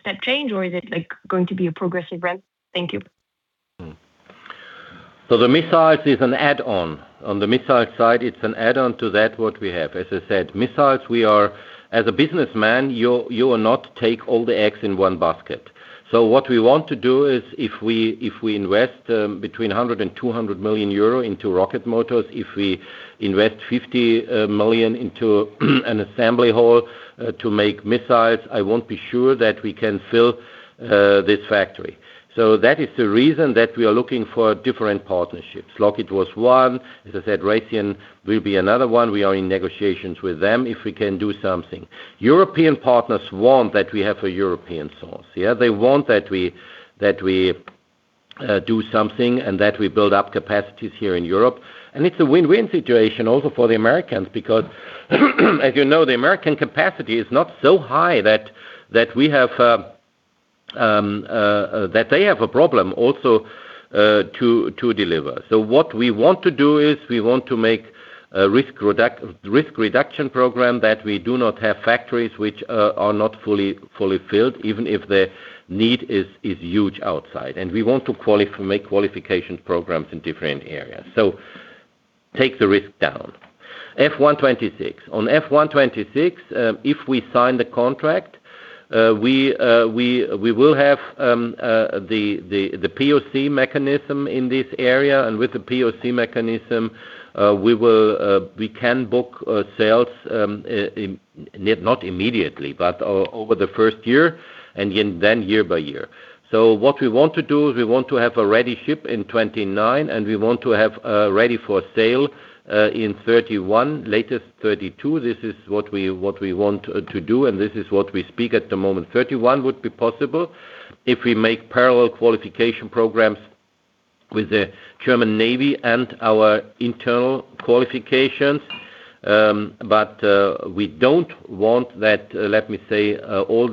Speaker 15: step change, or is it, like, going to be a progressive ramp? Thank you.
Speaker 2: The missiles is an add-on. On the missile side, it's an add-on to that what we have. As I said, missiles. As a businessman, you will not take all the eggs in one basket. What we want to do is if we invest between 100 million-200 million euro into rocket motors, if we invest 50 million into an assembly hall to make missiles, I won't be sure that we can fill this factory. That is the reason that we are looking for different partnerships. Lockheed was one. As I said, Raytheon will be another one. We are in negotiations with them if we can do something. European partners want that we have a European source. Yeah. They want that we do something and that we build up capacities here in Europe. It's a win-win situation also for the Americans, because as you know, the American capacity is not so high that they have a problem also to deliver. What we want to do is we want to make a risk reduction program that we do not have factories which are not fully filled, even if the need is huge outside. We want to make qualifications programs in different areas. Take the risk down. F126. On F126, if we sign the contract, we will have the POC mechanism in this area, and with the POC mechanism, we will we can book sales not immediately, but over the first year and then year by year. What we want to do is we want to have a ready ship in 29, and we want to have ready for sale in 31, latest 32. This is what we want to do, and this is what we speak at the moment. 31 would be possible if we make parallel qualification programs with the German Navy and our internal qualifications. We don't want that, let me say, all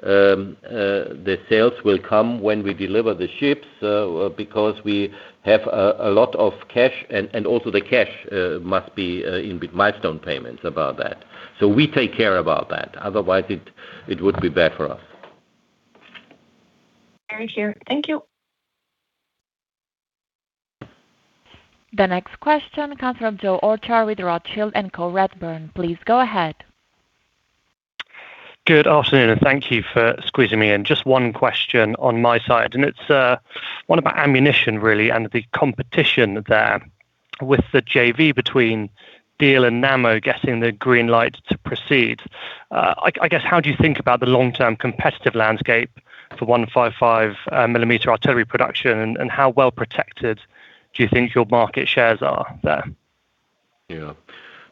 Speaker 2: the sales will come when we deliver the ships, because we have a lot of cash and also the cash must be in with milestone payments about that. We take care about that. Otherwise, it would be bad for us.
Speaker 15: Very sure. Thank you.
Speaker 1: The next question comes from Joe Orchard with Rothschild & Co Redburn. Please go ahead.
Speaker 16: Good afternoon. Thank you for squeezing me in. Just one question on my side, and it's one about ammunition really and the competition there with the JV between Diehl and Nammo getting the green light to proceed. I guess how do you think about the long-term competitive landscape for 155 millimeter artillery production, and how well protected do you think your market shares are there?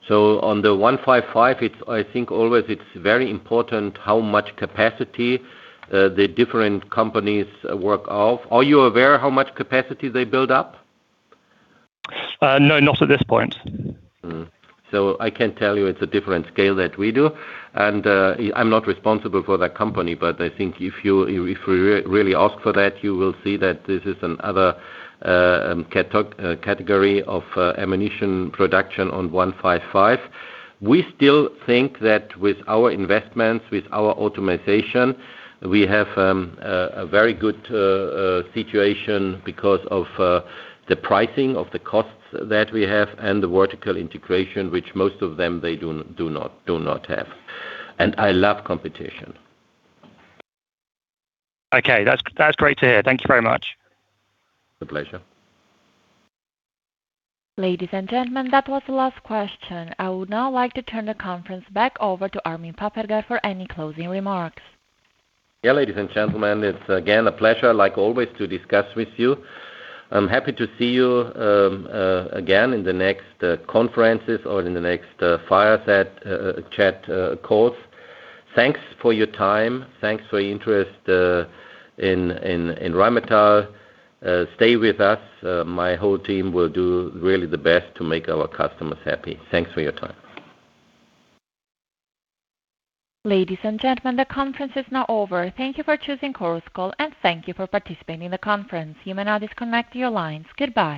Speaker 2: Yeah. On the 155mm, it's, I think always it's very important how much capacity the different companies work off. Are you aware how much capacity they build up?
Speaker 16: No, not at this point.
Speaker 2: I can tell you it's a different scale that we do. I'm not responsible for that company, but I think if you if you really ask for that, you will see that this is another category of ammunition production on 155mm. We still think that with our investments, with our automation, we have a very good situation because of the pricing of the costs that we have and the vertical integration which most of them they do not have. I love competition.
Speaker 16: Okay. That's great to hear. Thank you very much.
Speaker 2: [My] pleasure.
Speaker 1: Ladies and gentlemen, that was the last question. I would now like to turn the conference back over to Armin Papperger for any closing remarks.
Speaker 2: Yeah, ladies and gentlemen, it's again a pleasure, like always, to discuss with you. I'm happy to see you again in the next conferences or in the next fireside chat calls. Thanks for your time. Thanks for your interest in Rheinmetall. Stay with us. My whole team will do really the best to make our customers happy. Thanks for your time.
Speaker 1: Ladies and gentlemen, the conference is now over. Thank you for choosing Chorus Call, and thank you for participating in the conference. You may now disconnect your lines. Goodbye.